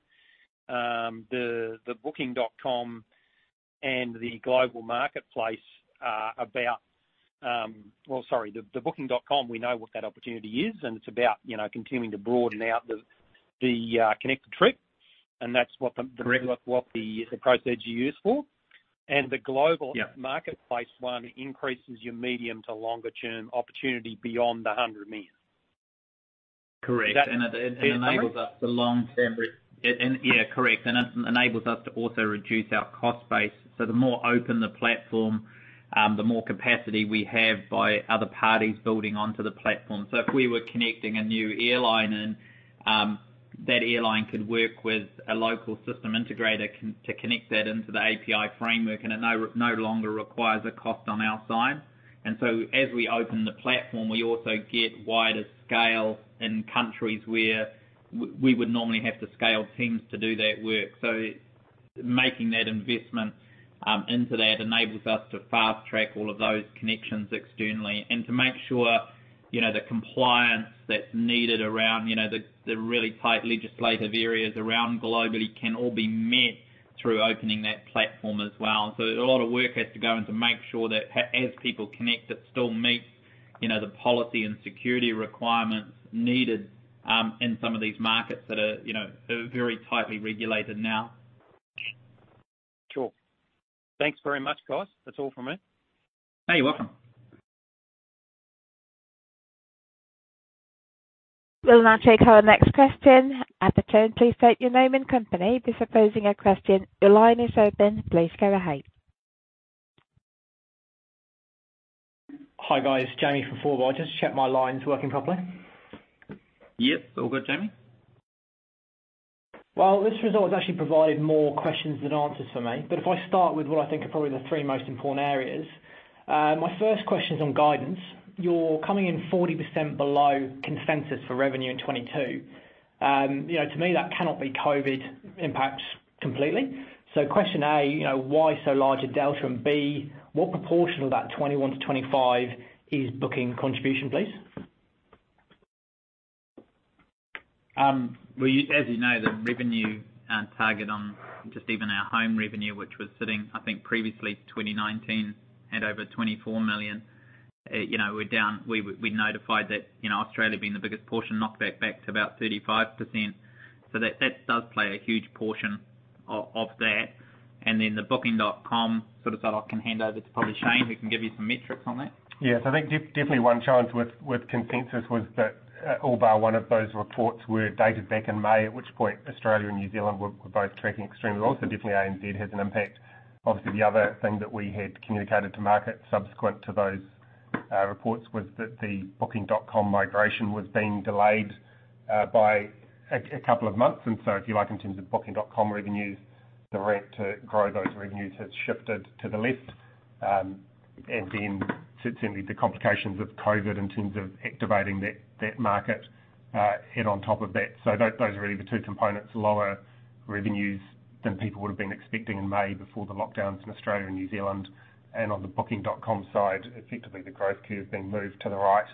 The Booking.com and the global marketplace. Sorry. The Booking.com, we know what that opportunity is, and it's about, you know, continuing to broaden out the Connected Trip. That's what the Correct. What the procedure you use for. The global Yeah. Marketplace one increases your medium- to longer-term opportunity beyond 100 million. Correct. That... it enables us to long-term re- Fair comment? Yeah, correct. It enables us to also reduce our cost base. The more open the platform, the more capacity we have by other parties building onto the platform. If we were connecting a new airline in, that airline could work with a local system integrator to connect that into the API framework, and it no longer requires a cost on our side. As we open the platform, we also get wider scale in countries where we would normally have to scale teams to do that work. Making that investment into that enables us to fast-track all of those connections externally and to make sure, you know, the compliance that's needed around, you know, the really tight legislative areas around globally can all be met through opening that platform as well. A lot of work has to go in to make sure that as people connect, it still meets, you know, the policy and security requirements needed, in some of these markets that are, you know, very tightly regulated now. Sure. Thanks very much, guys. That's all from me. Hey, you're welcome. We'll now take our next question. At the tone, please state your name and company before posing your question. Your line is open. Please go ahead. Hi, guys. Jamie from Fora. Just check my line's working properly. Yep, all good, Jamie. Well, this result has actually provided more questions than answers for me. If I start with what I think are probably the three most important areas, my first question is on guidance. You're coming in 40% below consensus for revenue in 2022. You know, to me, that cannot be COVID impact completely. Question A, you know, why so large a delta? B, what proportion of that 21 million-25 million is booking contribution, please? Well, as you know, the revenue target on just even our home revenue, which was sitting, I think previously 2019 at over 24 million, you know, we're down. We notified that, you know, Australia being the biggest portion knocked that back to about 35%. That does play a huge portion of that. The booking.com sort of side, I can hand over to probably Shane, who can give you some metrics on that. Yes. I think definitely one challenge with consensus was that all but one of those reports were dated back in May, at which point Australia and New Zealand were both tracking extremely well. Definitely ANZ has an impact. Obviously, the other thing that we had communicated to market subsequent to those reports was that the Booking.com migration was being delayed by a couple of months. If you like in terms of Booking.com revenues, the rate to grow those revenues has shifted to the left. Then certainly the complications of COVID in terms of activating that market hit on top of that. Those are really the two components. Lower revenues than people would've been expecting in May before the lockdowns in Australia and New Zealand. On the Booking.com side, effectively the growth curve being moved to the right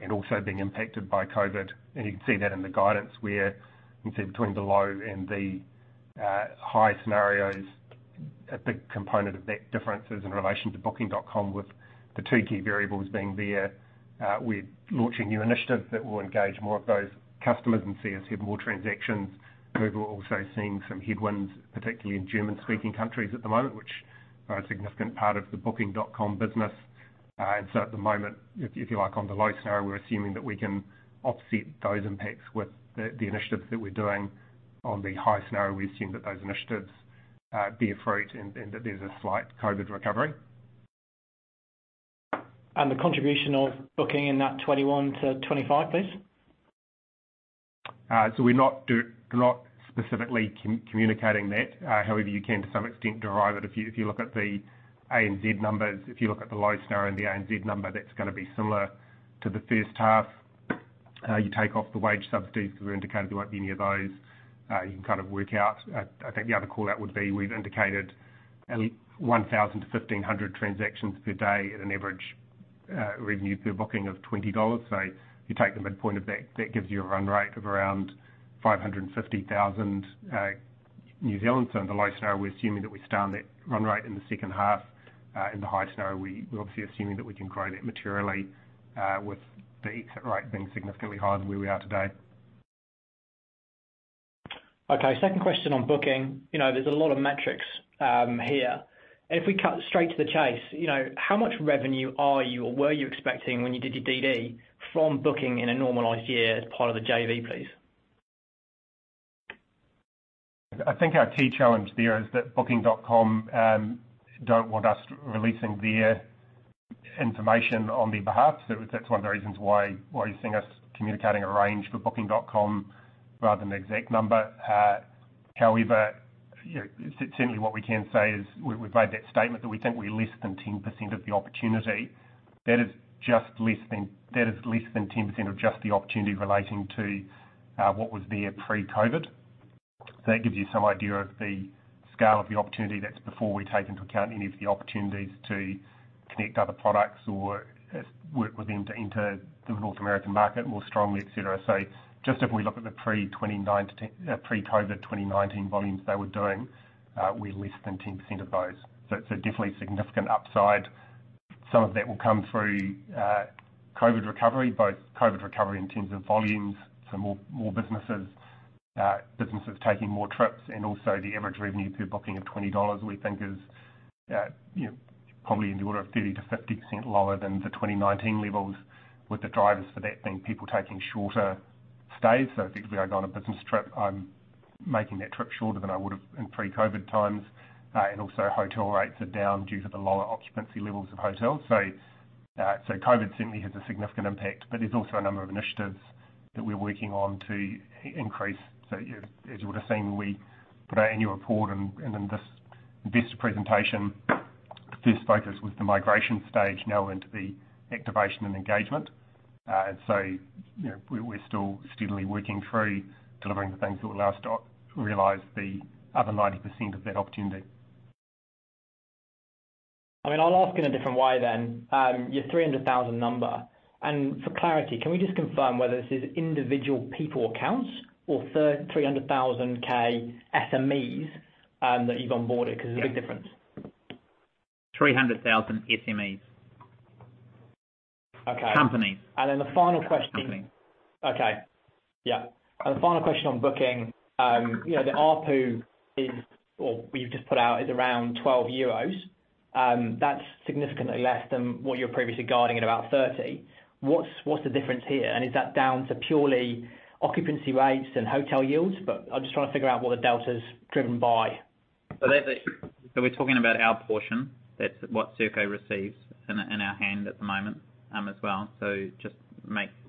and also being impacted by COVID. You can see that in the guidance where you can see between the low and the high scenarios, a big component of that difference is in relation to Booking.com, with the two key variables being with launching new initiatives that will engage more of those customers and see us have more transactions. Google also seeing some headwinds, particularly in German-speaking countries at the moment, which are a significant part of the Booking.com business. At the moment if you like on the low scenario, we're assuming that we can offset those impacts with the initiatives that we're doing. On the high scenario, we assume that those initiatives bear fruit and that there's a slight COVID recovery. The contribution of Booking in that 21 million-25 million, please. We're not specifically communicating that. However, you can to some extent derive it. If you look at the ANZ numbers, if you look at the low scenario and the ANZ number, that's gonna be similar to the first half. You take off the wage subsidies because we indicated there won't be any of those. You can kind of work out. I think the other call out would be we've indicated 1,000-1,500 transactions per day at an average revenue per booking of 20 dollars. If you take the midpoint of that gives you a run rate of around 550,000. In the low scenario, we're assuming that we stay on that run rate in the second half. In the high scenario, we're obviously assuming that we can grow that materially, with the exit rate being significantly higher than where we are today. Okay. Second question on Booking. You know, there's a lot of metrics here. If we cut straight to the chase, you know, how much revenue are you or were you expecting when you did your DD from Booking in a normalized year as part of the JV, please? I think our key challenge there is that Booking.com don't want us releasing their information on their behalf. That's one of the reasons why you're seeing us communicating a range for Booking.com rather than an exact number. However, you know, certainly what we can say is we've made that statement that we think we're less than 10% of the opportunity. That is just less than 10% of just the opportunity relating to what was there pre-COVID. That gives you some idea of the scale of the opportunity. That's before we take into account any of the opportunities to connect other products or work with them to enter the North American market more strongly, et cetera. Just if we look at the pre-COVID 2019 volumes they were doing, we're less than 10% of those. Definitely significant upside. Some of that will come through COVID recovery, both COVID recovery in terms of volumes, more businesses taking more trips and also the average revenue per booking of 20 dollars we think is, you know, probably in the order of 30%-50% lower than the 2019 levels, with the drivers for that being people taking shorter stays. Effectively, I go on a business trip, I'm making that trip shorter than I would've in pre-COVID times. And also hotel rates are down due to the lower occupancy levels of hotels. COVID certainly has a significant impact, but there's also a number of initiatives that we're working on to increase. You know, as you would've seen when we put our annual report and in this investor presentation, first focus was the migration stage now into the activation and engagement. You know, we're still steadily working through delivering the things that will allow us to realize the other 90% of that opportunity. I mean, I'll ask in a different way then, your 300,000 number, and for clarity, can we just confirm whether this is individual people accounts or 300,000, like SMEs, that you've onboarded? 'Cause there's a big difference. 300,000 SMEs. Okay. Companies. The final question. Companies. Okay. Yeah. The final question on booking, you know, the ARPU is, or you've just put out, is around 12 euros. That's significantly less than what you're previously guiding at about 30. What's the difference here? Is that down to purely occupancy rates and hotel yields? I'm just trying to figure out what the delta's driven by. We're talking about our portion. That's what Serko receives in our hand at the moment, as well.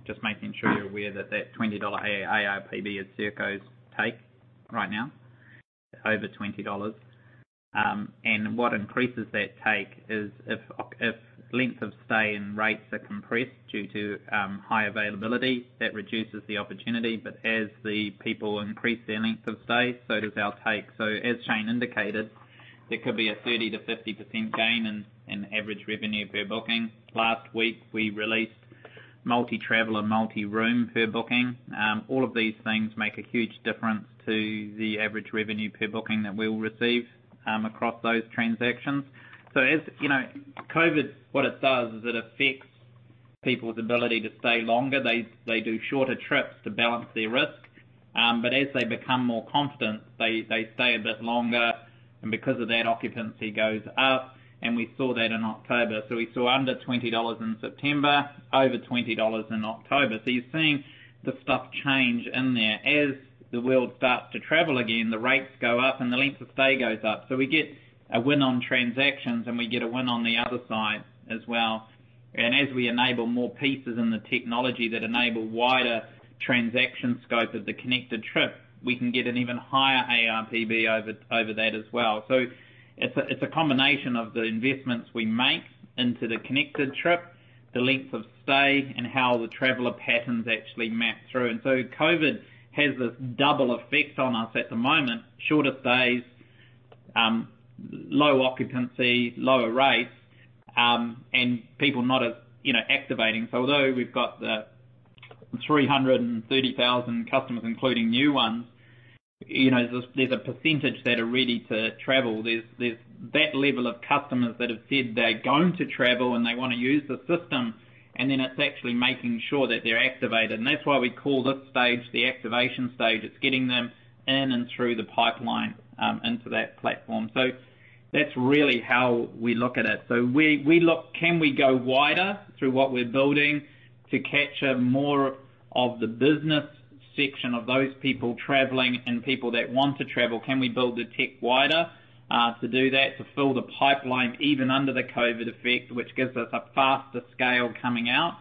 Just making sure you're aware that that 20 dollar ARPB is Serko's take right now, over 20 dollars. What increases that take is if length of stay and rates are compressed due to high availability, that reduces the opportunity. As the people increase their length of stay, so does our take. As Shane indicated, there could be a 30%-50% gain in average revenue per booking. Last week we released multi-traveler, multi-room per booking. All of these things make a huge difference to the average revenue per booking that we'll receive across those transactions. You know, COVID, what it does is it affects people's ability to stay longer. They do shorter trips to balance their risk. As they become more confident, they stay a bit longer, and because of that, occupancy goes up, and we saw that in October. We saw under 20 dollars in September, over 20 dollars in October. You're seeing the stuff change in there. As the world starts to travel again, the rates go up and the length of stay goes up. We get a win on transactions, and we get a win on the other side as well. As we enable more pieces in the technology that enable wider transaction scope of the Connected Trip, we can get an even higher ARPB over that as well. It's a combination of the investments we make into the Connected Trip, the length of stay, and how the traveler patterns actually map through. COVID has this double effect on us at the moment, shorter stays, low occupancy, lower rates, and people not as, you know, activating. Although we've got the 330,000 customers, including new ones, you know, there's a percentage that are ready to travel. There's that level of customers that have said they're going to travel and they want to use the system, and then it's actually making sure that they're activated. That's why we call this stage the activation stage. It's getting them in and through the pipeline into that platform. That's really how we look at it. We look. Can we go wider through what we're building to capture more of the business section of those people traveling and people that want to travel? Can we build the tech wider to do that, to fill the pipeline even under the COVID effect, which gives us a faster scale coming out?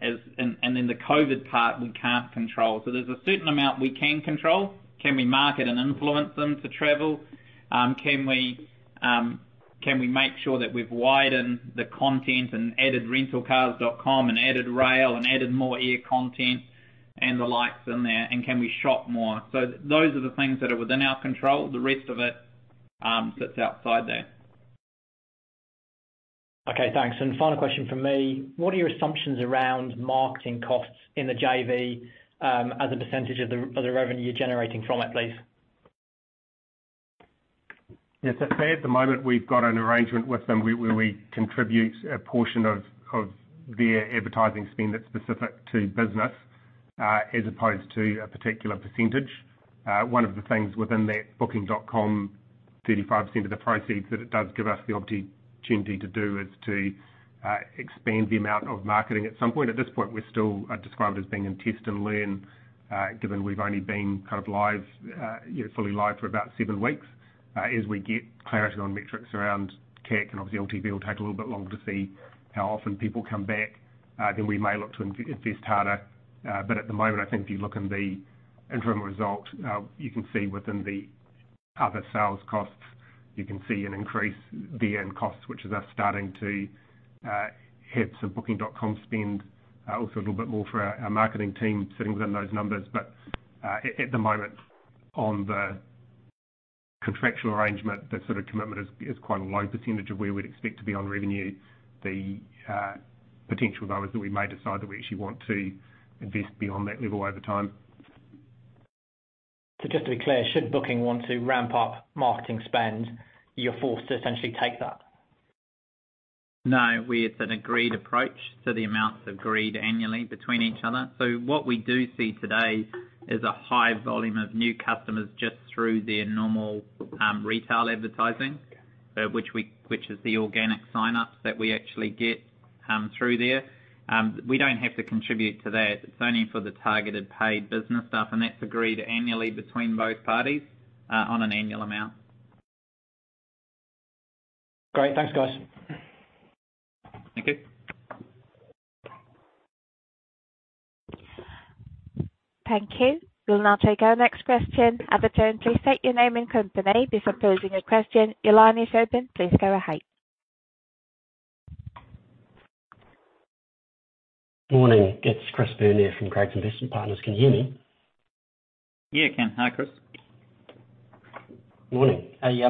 The COVID part we can't control. So there's a certain amount we can control. Can we market and influence them to travel? Can we make sure that we've widened the content and added Rentalcars.com and added rail and added more air content and the like in there, and can we shop more? So those are the things that are within our control. The rest of it sits outside that. Okay, thanks. Final question from me. What are your assumptions around marketing costs in the JV, as a percentage of the revenue you're generating from it, please? Yes. Today at the moment, we've got an arrangement with them where we contribute a portion of their advertising spend that's specific to business, as opposed to a particular percentage. One of the things within that booking.com 35% of the proceeds that it does give us the opportunity to do is to expand the amount of marketing at some point. At this point, we're still described as being in test and learn, given we've only been kind of live, you know, fully live for about seven weeks. As we get clarity on metrics around CAC, and obviously LTV will take a little bit longer to see how often people come back, then we may look to invest harder. At the moment, I think if you look in the interim result, you can see within the other sales costs, you can see an increase there in costs, which is us starting to hit some booking.com spend, also a little bit more for our marketing team sitting within those numbers. At the moment, on the contractual arrangement, that sort of commitment is quite a low percentage of where we'd expect to be on revenue. The potential, though, is that we may decide that we actually want to invest beyond that level over time. Just to be clear, should Booking want to ramp up marketing spend, you're forced to essentially take that? No, it's an agreed approach, so the amount's agreed annually between each other. What we do see today is a high volume of new customers just through their normal retail advertising, which is the organic sign-ups that we actually get through there. We don't have to contribute to that. It's only for the targeted paid business stuff, and that's agreed annually between both parties on an annual amount. Great. Thanks, guys. Thank you. Thank you. We'll now take our next question. As a turn, please state your name and company before posing a question. Your line is open. Please go ahead. Morning. It's Chris Byrne here from Craigs Investment Partners. Can you hear me? Yeah, I can. Hi, Chris. Morning. Hey,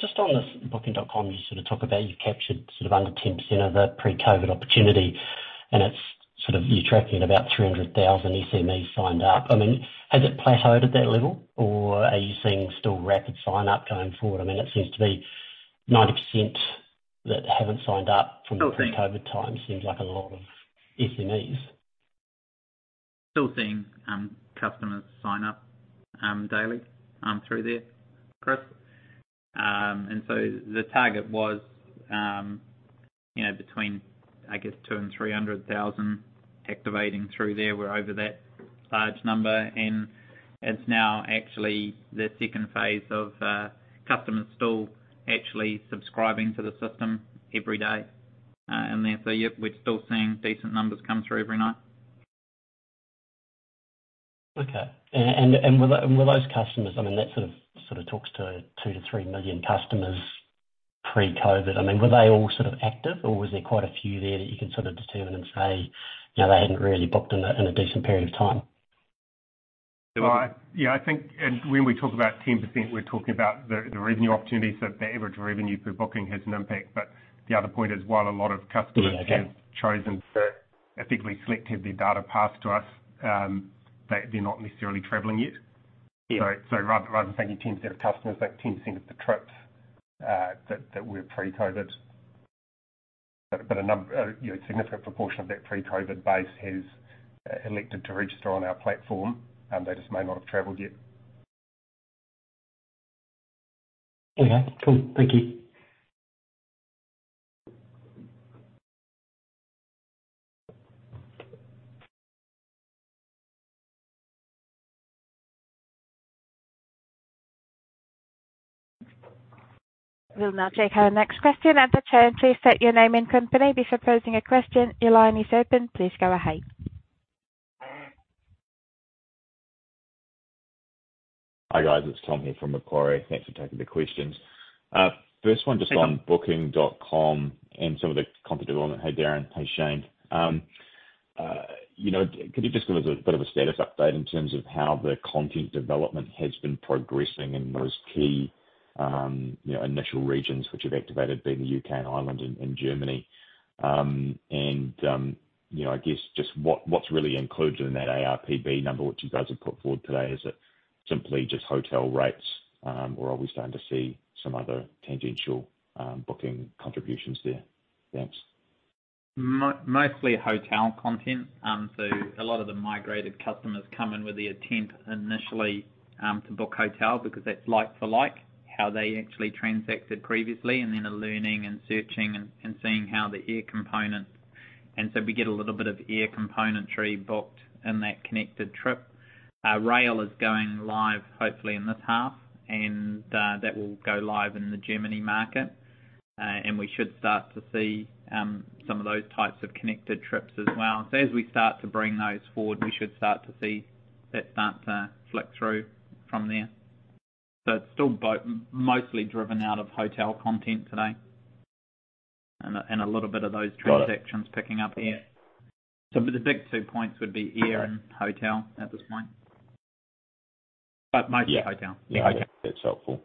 just on this Booking.com, you sort of talk about you've captured sort of under 10% of the pre-COVID opportunity, and it's sort of you're tracking about 300,000 SMEs signed up. I mean, has it plateaued at that level, or are you seeing still rapid sign-up going forward? I mean, it seems to be 90% that haven't signed up from- Still seeing- the pre-COVID times. Seems like a lot of SMEs. Still seeing customers sign up daily through there, Chris. The target was, you know, between, I guess, 200,000 and 300,000 activating through there. We're over that large number, and it's now actually the second phase of customers still actually subscribing to the system every day in there. Yep, we're still seeing decent numbers come through every night. Were those customers, I mean that sort of talks to 2-3 million customers pre-COVID. I mean, were they all sort of active or was there quite a few there that you can sort of determine and say, you know, they hadn't really booked in a decent period of time? Well, yeah, I think when we talk about 10%, we're talking about the revenue opportunity. The average revenue per booking has an impact. The other point is, while a lot of customers- Yeah. Okay. have chosen to effectively select to have their data passed to us. They're not necessarily traveling yet. Rather than thinking 10% of customers, think 10% of the trips that were pre-COVID. You know, a significant proportion of that pre-COVID base has elected to register on our platform, they just may not have traveled yet. Okay, cool. Thank you. We'll now take our next question. It's your turn, please state your name and company before posing a question. Your line is open. Please go ahead. Hi, guys. It's Tom here from Macquarie. Thanks for taking the questions. First one, just on booking.com and some of the content development. Hey, Darrin. Hey, Shane. You know, could you just give us a bit of a status update in terms of how the content development has been progressing in those key, you know, initial regions which have activated, being the U.K. and Ireland and Germany? You know, I guess just what's really included in that ARPB number which you guys have put forward today? Is it simply just hotel rates, or are we starting to see some other tangential, booking contributions there? Thanks. Mostly hotel content. A lot of the migrated customers come in with the intent initially to book hotel because that's like for like how they actually transacted previously, and then are learning and searching and seeing how the air component. We get a little bit of air componentry booked in that Connected Trip. Rail is going live hopefully in this half and that will go live in the Germany market. We should start to see some of those types of Connected Trips as well. As we start to bring those forward, we should start to see that start to flick through from there. It's still mostly driven out of hotel content today and a little bit of those- Got it. Transactions picking up air. Yeah. The big two points would be air and hotel at this point. Okay. Mostly hotel. Yeah. Yeah. Okay. That's helpful.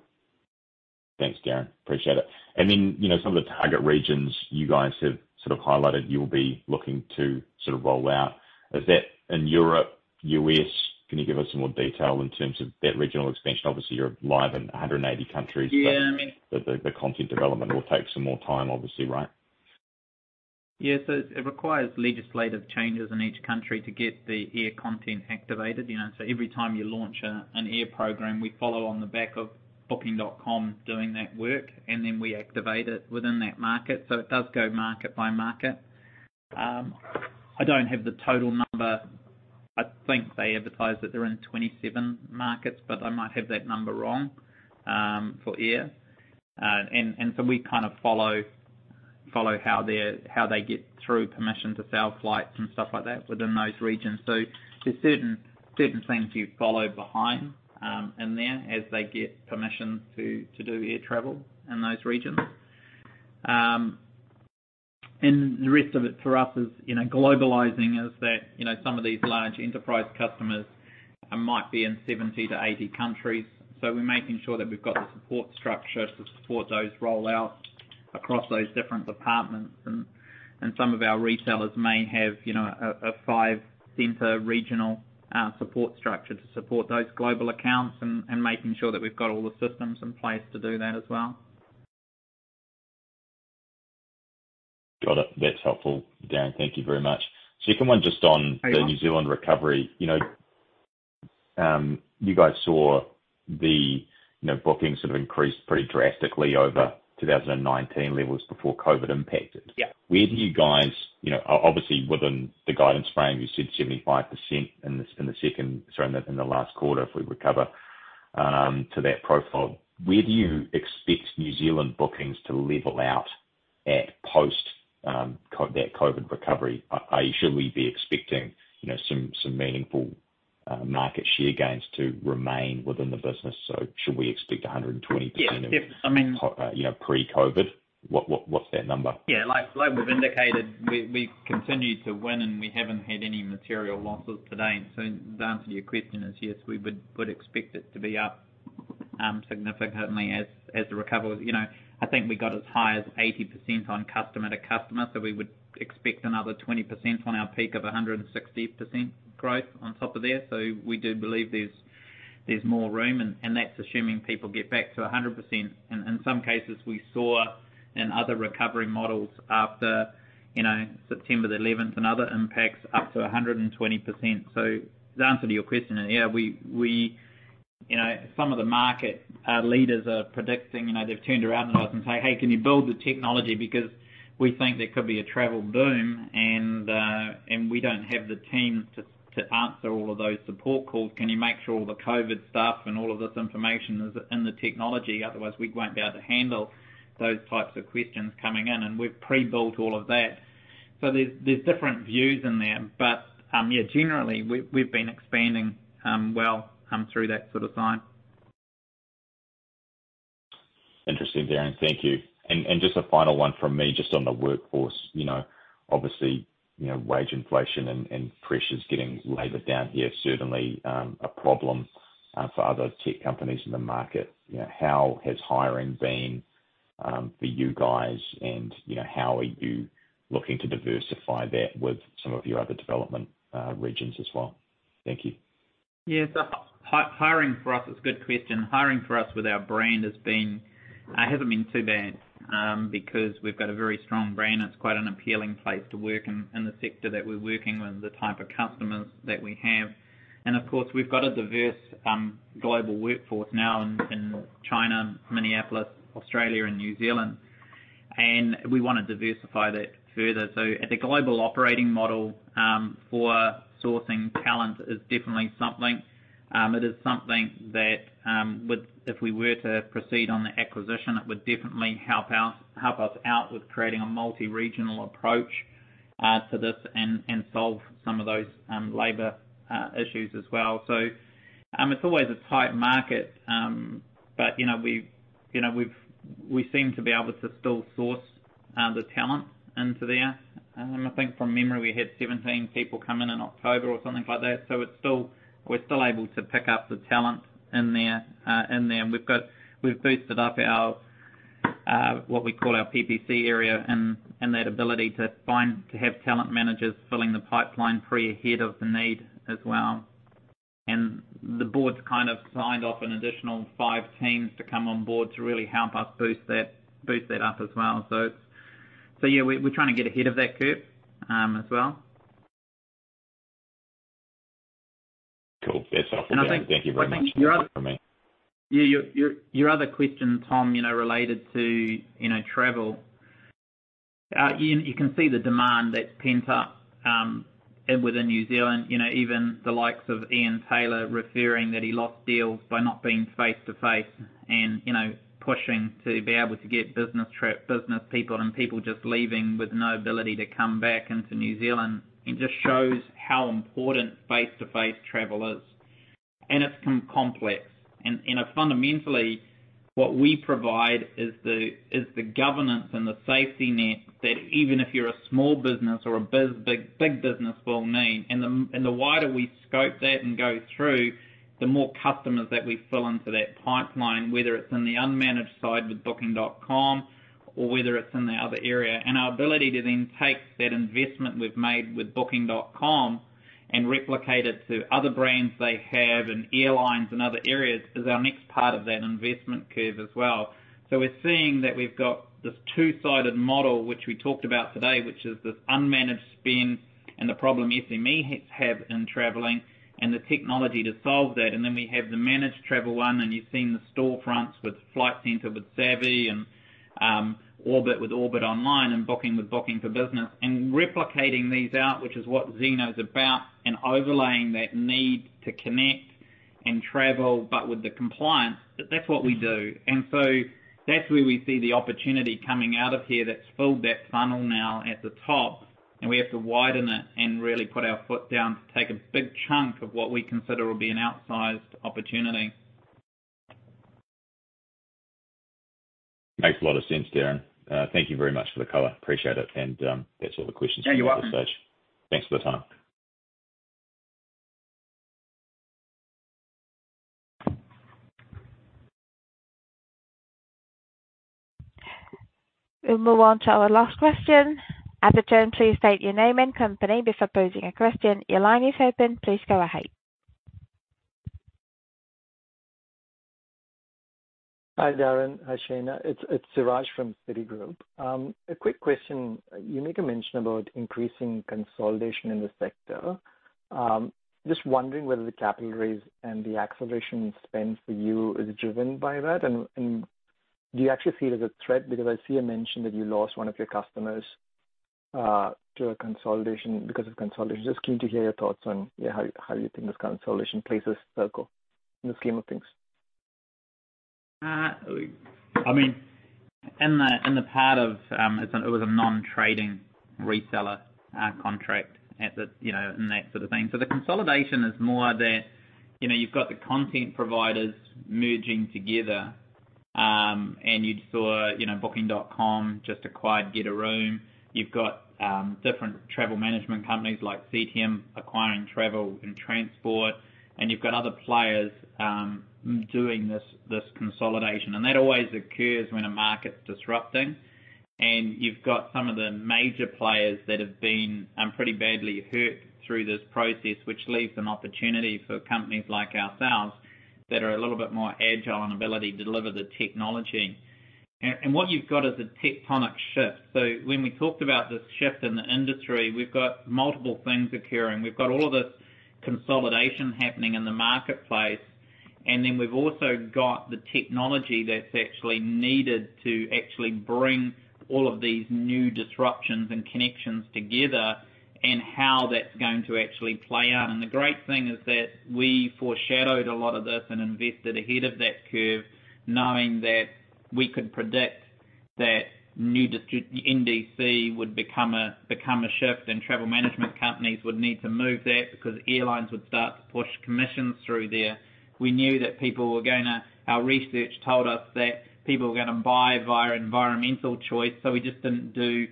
Thanks, Darrin. Appreciate it. You know, some of the target regions you guys have sort of highlighted you'll be looking to sort of roll out. Is that in Europe, U.S.? Can you give us some more detail in terms of that regional expansion? Obviously, you're live in 180 countries. Yeah The content development will take some more time, obviously, right? Yeah. It requires legislative changes in each country to get the air content activated, you know. Every time you launch an air program, we follow on the back of booking.com doing that work, and then we activate it within that market. It does go market by market. I don't have the total number. I think they advertise that they're in 27 markets, but I might have that number wrong, for air. And so we kind of follow how they get through permission to sell flights and stuff like that within those regions. There's certain things you follow behind in there as they get permission to do air travel in those regions. The rest of it for us is, you know, globalizing is that, you know, some of these large enterprise customers might be in 70-80 countries. We're making sure that we've got the support structure to support those rollouts across those different departments. Some of our retailers may have, you know, a five-center regional support structure to support those global accounts and making sure that we've got all the systems in place to do that as well. Got it. That's helpful, Darrin. Thank you very much. Second one just on the New Zealand recovery. You know, you guys saw the, you know, bookings have increased pretty drastically over 2019 levels before COVID impacted. Yeah. Where do you guys, you know, obviously, within the guidance frame, you said 75% in the last quarter if we recover to that profile. Where do you expect New Zealand bookings to level out at post-COVID recovery? Should we be expecting, you know, some meaningful market share gains to remain within the business? Should we expect 120%- Yes. Yes. I mean. of, you know, pre-COVID? What's that number? Yeah. Like we've indicated, we've continued to win and we haven't had any material losses to date. The answer to your question is yes, we would expect it to be up significantly as the recovery. You know, I think we got as high as 80% on customer to customer. We would expect another 20% on our peak of 160% growth on top of there. We do believe there's more room and that's assuming people get back to 100%. In some cases, we saw in other recovery models after, you know, September 11 and other impacts, up to 120%. The answer to your question is, yeah. You know, some of the market leaders are predicting. You know, they've turned around to us and say, "Hey, can you build the technology? Because we think there could be a travel boom and we don't have the team to answer all of those support calls. Can you make sure all the COVID stuff and all of this information is in the technology? Otherwise, we won't be able to handle those types of questions coming in." We've pre-built all of that. There's different views in there. Yeah, generally, we've been expanding, well, through that sort of sign. Interesting, Darrin. Thank you. Just a final one from me just on the workforce. You know, obviously, you know, wage inflation and pressures getting louder down here, certainly a problem for other tech companies in the market. You know, how has hiring been for you guys? You know, how are you looking to diversify that with some of your other development regions as well? Thank you. Yeah. Hiring for us, it's a good question. Hiring for us with our brand hasn't been too bad, because we've got a very strong brand. It's quite an appealing place to work in the sector that we're working with, the type of customers that we have. Of course, we've got a diverse global workforce now in China, Minneapolis, Australia, and New Zealand. We wanna diversify that further. The global operating model for sourcing talent is definitely something. It is something that if we were to proceed on the acquisition, it would definitely help us out with creating a multi-regional approach to this and solve some of those labor issues as well. It's always a tight market. You know, we seem to be able to still source the talent into there. I think from memory, we had 17 people come in in October or something like that. We're still able to pick up the talent in there. We've boosted up our what we call our P&C area and that ability to have talent managers filling the pipeline ahead of the need as well. The board's kind of signed off an additional five teams to come on board to really help us boost that up as well. Yeah, we're trying to get ahead of that curve as well. Cool. That's helpful, Darrin. I think. Thank you very much. I think your other- That's it from me. Yeah. Your other question, Tom, you know, related to, you know, travel. You can see the demand that's pent up within New Zealand. You know, even the likes of Ian Taylor referring that he lost deals by not being face to face and, you know, pushing to be able to get business trip, business people, and people just leaving with no ability to come back into New Zealand. It just shows how important face to face travel is. It's complex. You know, fundamentally, what we provide is the governance and the safety net that even if you're a small business or a big business will need. The wider we scope that and go through, the more customers that we fill into that pipeline, whether it's in the unmanaged side with Booking.com or whether it's in the other area. Our ability to then take that investment we've made with Booking.com and replicate it to other brands they have in airlines and other areas is our next part of that investment curve as well. We're seeing that we've got this two-sided model, which we talked about today, which is this unmanaged spend and the problem SMEs have in traveling and the technology to solve that. Then we have the managed travel one, and you've seen the storefronts with Flight Centre, with Sabre, and Orbit with Orbit Online and Booking.com with Booking.com for Business. Replicating these out, which is what Zeno's about, and overlaying that need to connect and travel, but with the compliance, that's what we do. That's where we see the opportunity coming out of here. That's filled that funnel now at the top, and we have to widen it and really put our foot down to take a big chunk of what we consider will be an outsized opportunity. Makes a lot of sense, Darrin. Thank you very much for the color. Appreciate it. That's all the questions from my side. Yeah, you're welcome. Thanks for the time. We'll move on to our last question. As a turn, please state your name and company before posing a question. Your line is open. Please go ahead. Hi, Darrin. Hi, Shane. It's Siraj from Citigroup. A quick question. You make a mention about increasing consolidation in the sector. Just wondering whether the capital raise and the acceleration spend for you is driven by that. Do you actually see it as a threat? Because I see a mention that you lost one of your customers to a consolidation, because of consolidation. Just keen to hear your thoughts on how you think this consolidation plays out in the scheme of things. I mean, it was a non-trading reseller contract, you know, and that sort of thing. The consolidation is more that, you know, you've got the content providers merging together, and you saw, you know, Booking.com just acquired Getaroom. You've got different travel management companies like CTM acquiring travel and transport, and you've got other players doing this consolidation. That always occurs when a market's disrupting. You've got some of the major players that have been pretty badly hurt through this process, which leaves an opportunity for companies like ourselves that are a little bit more agile in ability to deliver the technology. What you've got is a tectonic shift. When we talked about this shift in the industry, we've got multiple things occurring. We've got all of this consolidation happening in the marketplace, and then we've also got the technology that's actually needed to actually bring all of these new disruptions and connections together and how that's going to actually play out. The great thing is that we foreshadowed a lot of this and invested ahead of that curve, knowing that we could predict that NDC would become a shift and travel management companies would need to move that because airlines would start to push commissions through there. Our research told us that people were gonna buy via environmental choice, so we just didn't do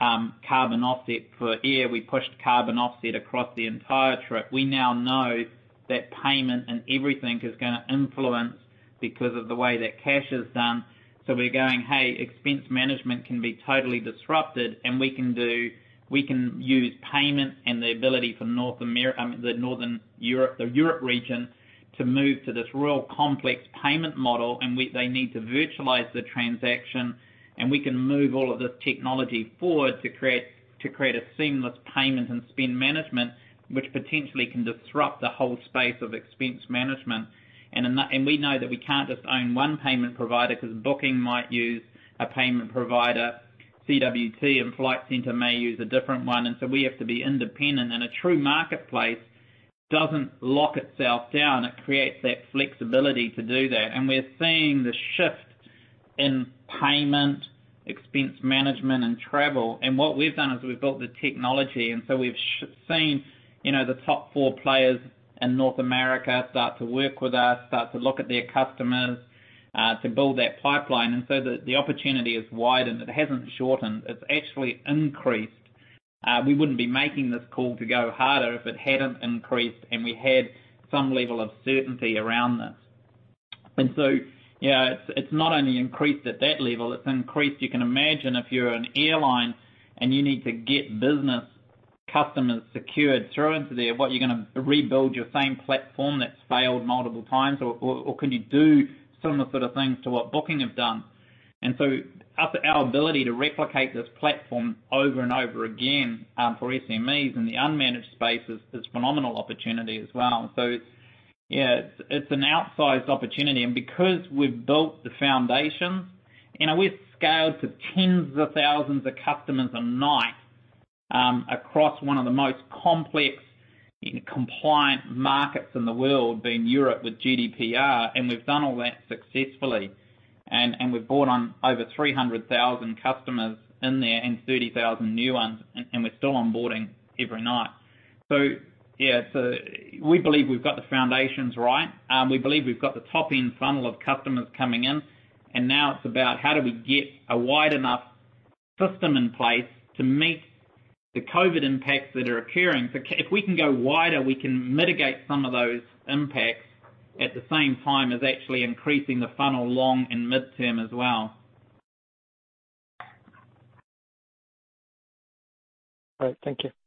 carbon offset for air. We pushed carbon offset across the entire trip. We now know that payment and everything is gonna influence because of the way that cash is done. We're going, "Hey, expense management can be totally disrupted, and we can use payment and the ability for the Northern Europe, the Europe region to move to this real complex payment model. They need to virtualize the transaction, and we can move all of this technology forward to create a seamless payment and spend management, which potentially can disrupt the whole space of expense management." We know that we can't just own one payment provider because Booking might use a payment provider. CWT and Flight Centre may use a different one, and so we have to be independent. A true marketplace doesn't lock itself down. It creates that flexibility to do that. We're seeing the shift in payment, expense management and travel. What we've done is we've built the technology. We've seen, you know, the top four players in North America start to work with us, start to look at their customers to build that pipeline. The opportunity has widened. It hasn't shortened. It's actually increased. We wouldn't be making this call to go harder if it hadn't increased, and we had some level of certainty around this. You know, it's not only increased at that level, it's increased. You can imagine if you're an airline and you need to get business customers secured through into there, what, you're gonna rebuild your same platform that's failed multiple times or could you do similar sort of things to what Booking have done? Our ability to replicate this platform over and over again for SMEs in the unmanaged space is phenomenal opportunity as well. Yeah, it's an outsized opportunity. Because we've built the foundations, you know, we've scaled to tens of thousands of customers a night across one of the most complex and compliant markets in the world, being Europe with GDPR. We've done all that successfully. We've brought on over 300,000 customers in there and 30,000 new ones, and we're still onboarding every night. Yeah. We believe we've got the foundations right. We believe we've got the top-end funnel of customers coming in, and now it's about how do we get a wide enough system in place to meet the COVID impacts that are occurring. If we can go wider, we can mitigate some of those impacts at the same time as actually increasing the funnel long and midterm as well. All right. Thank you.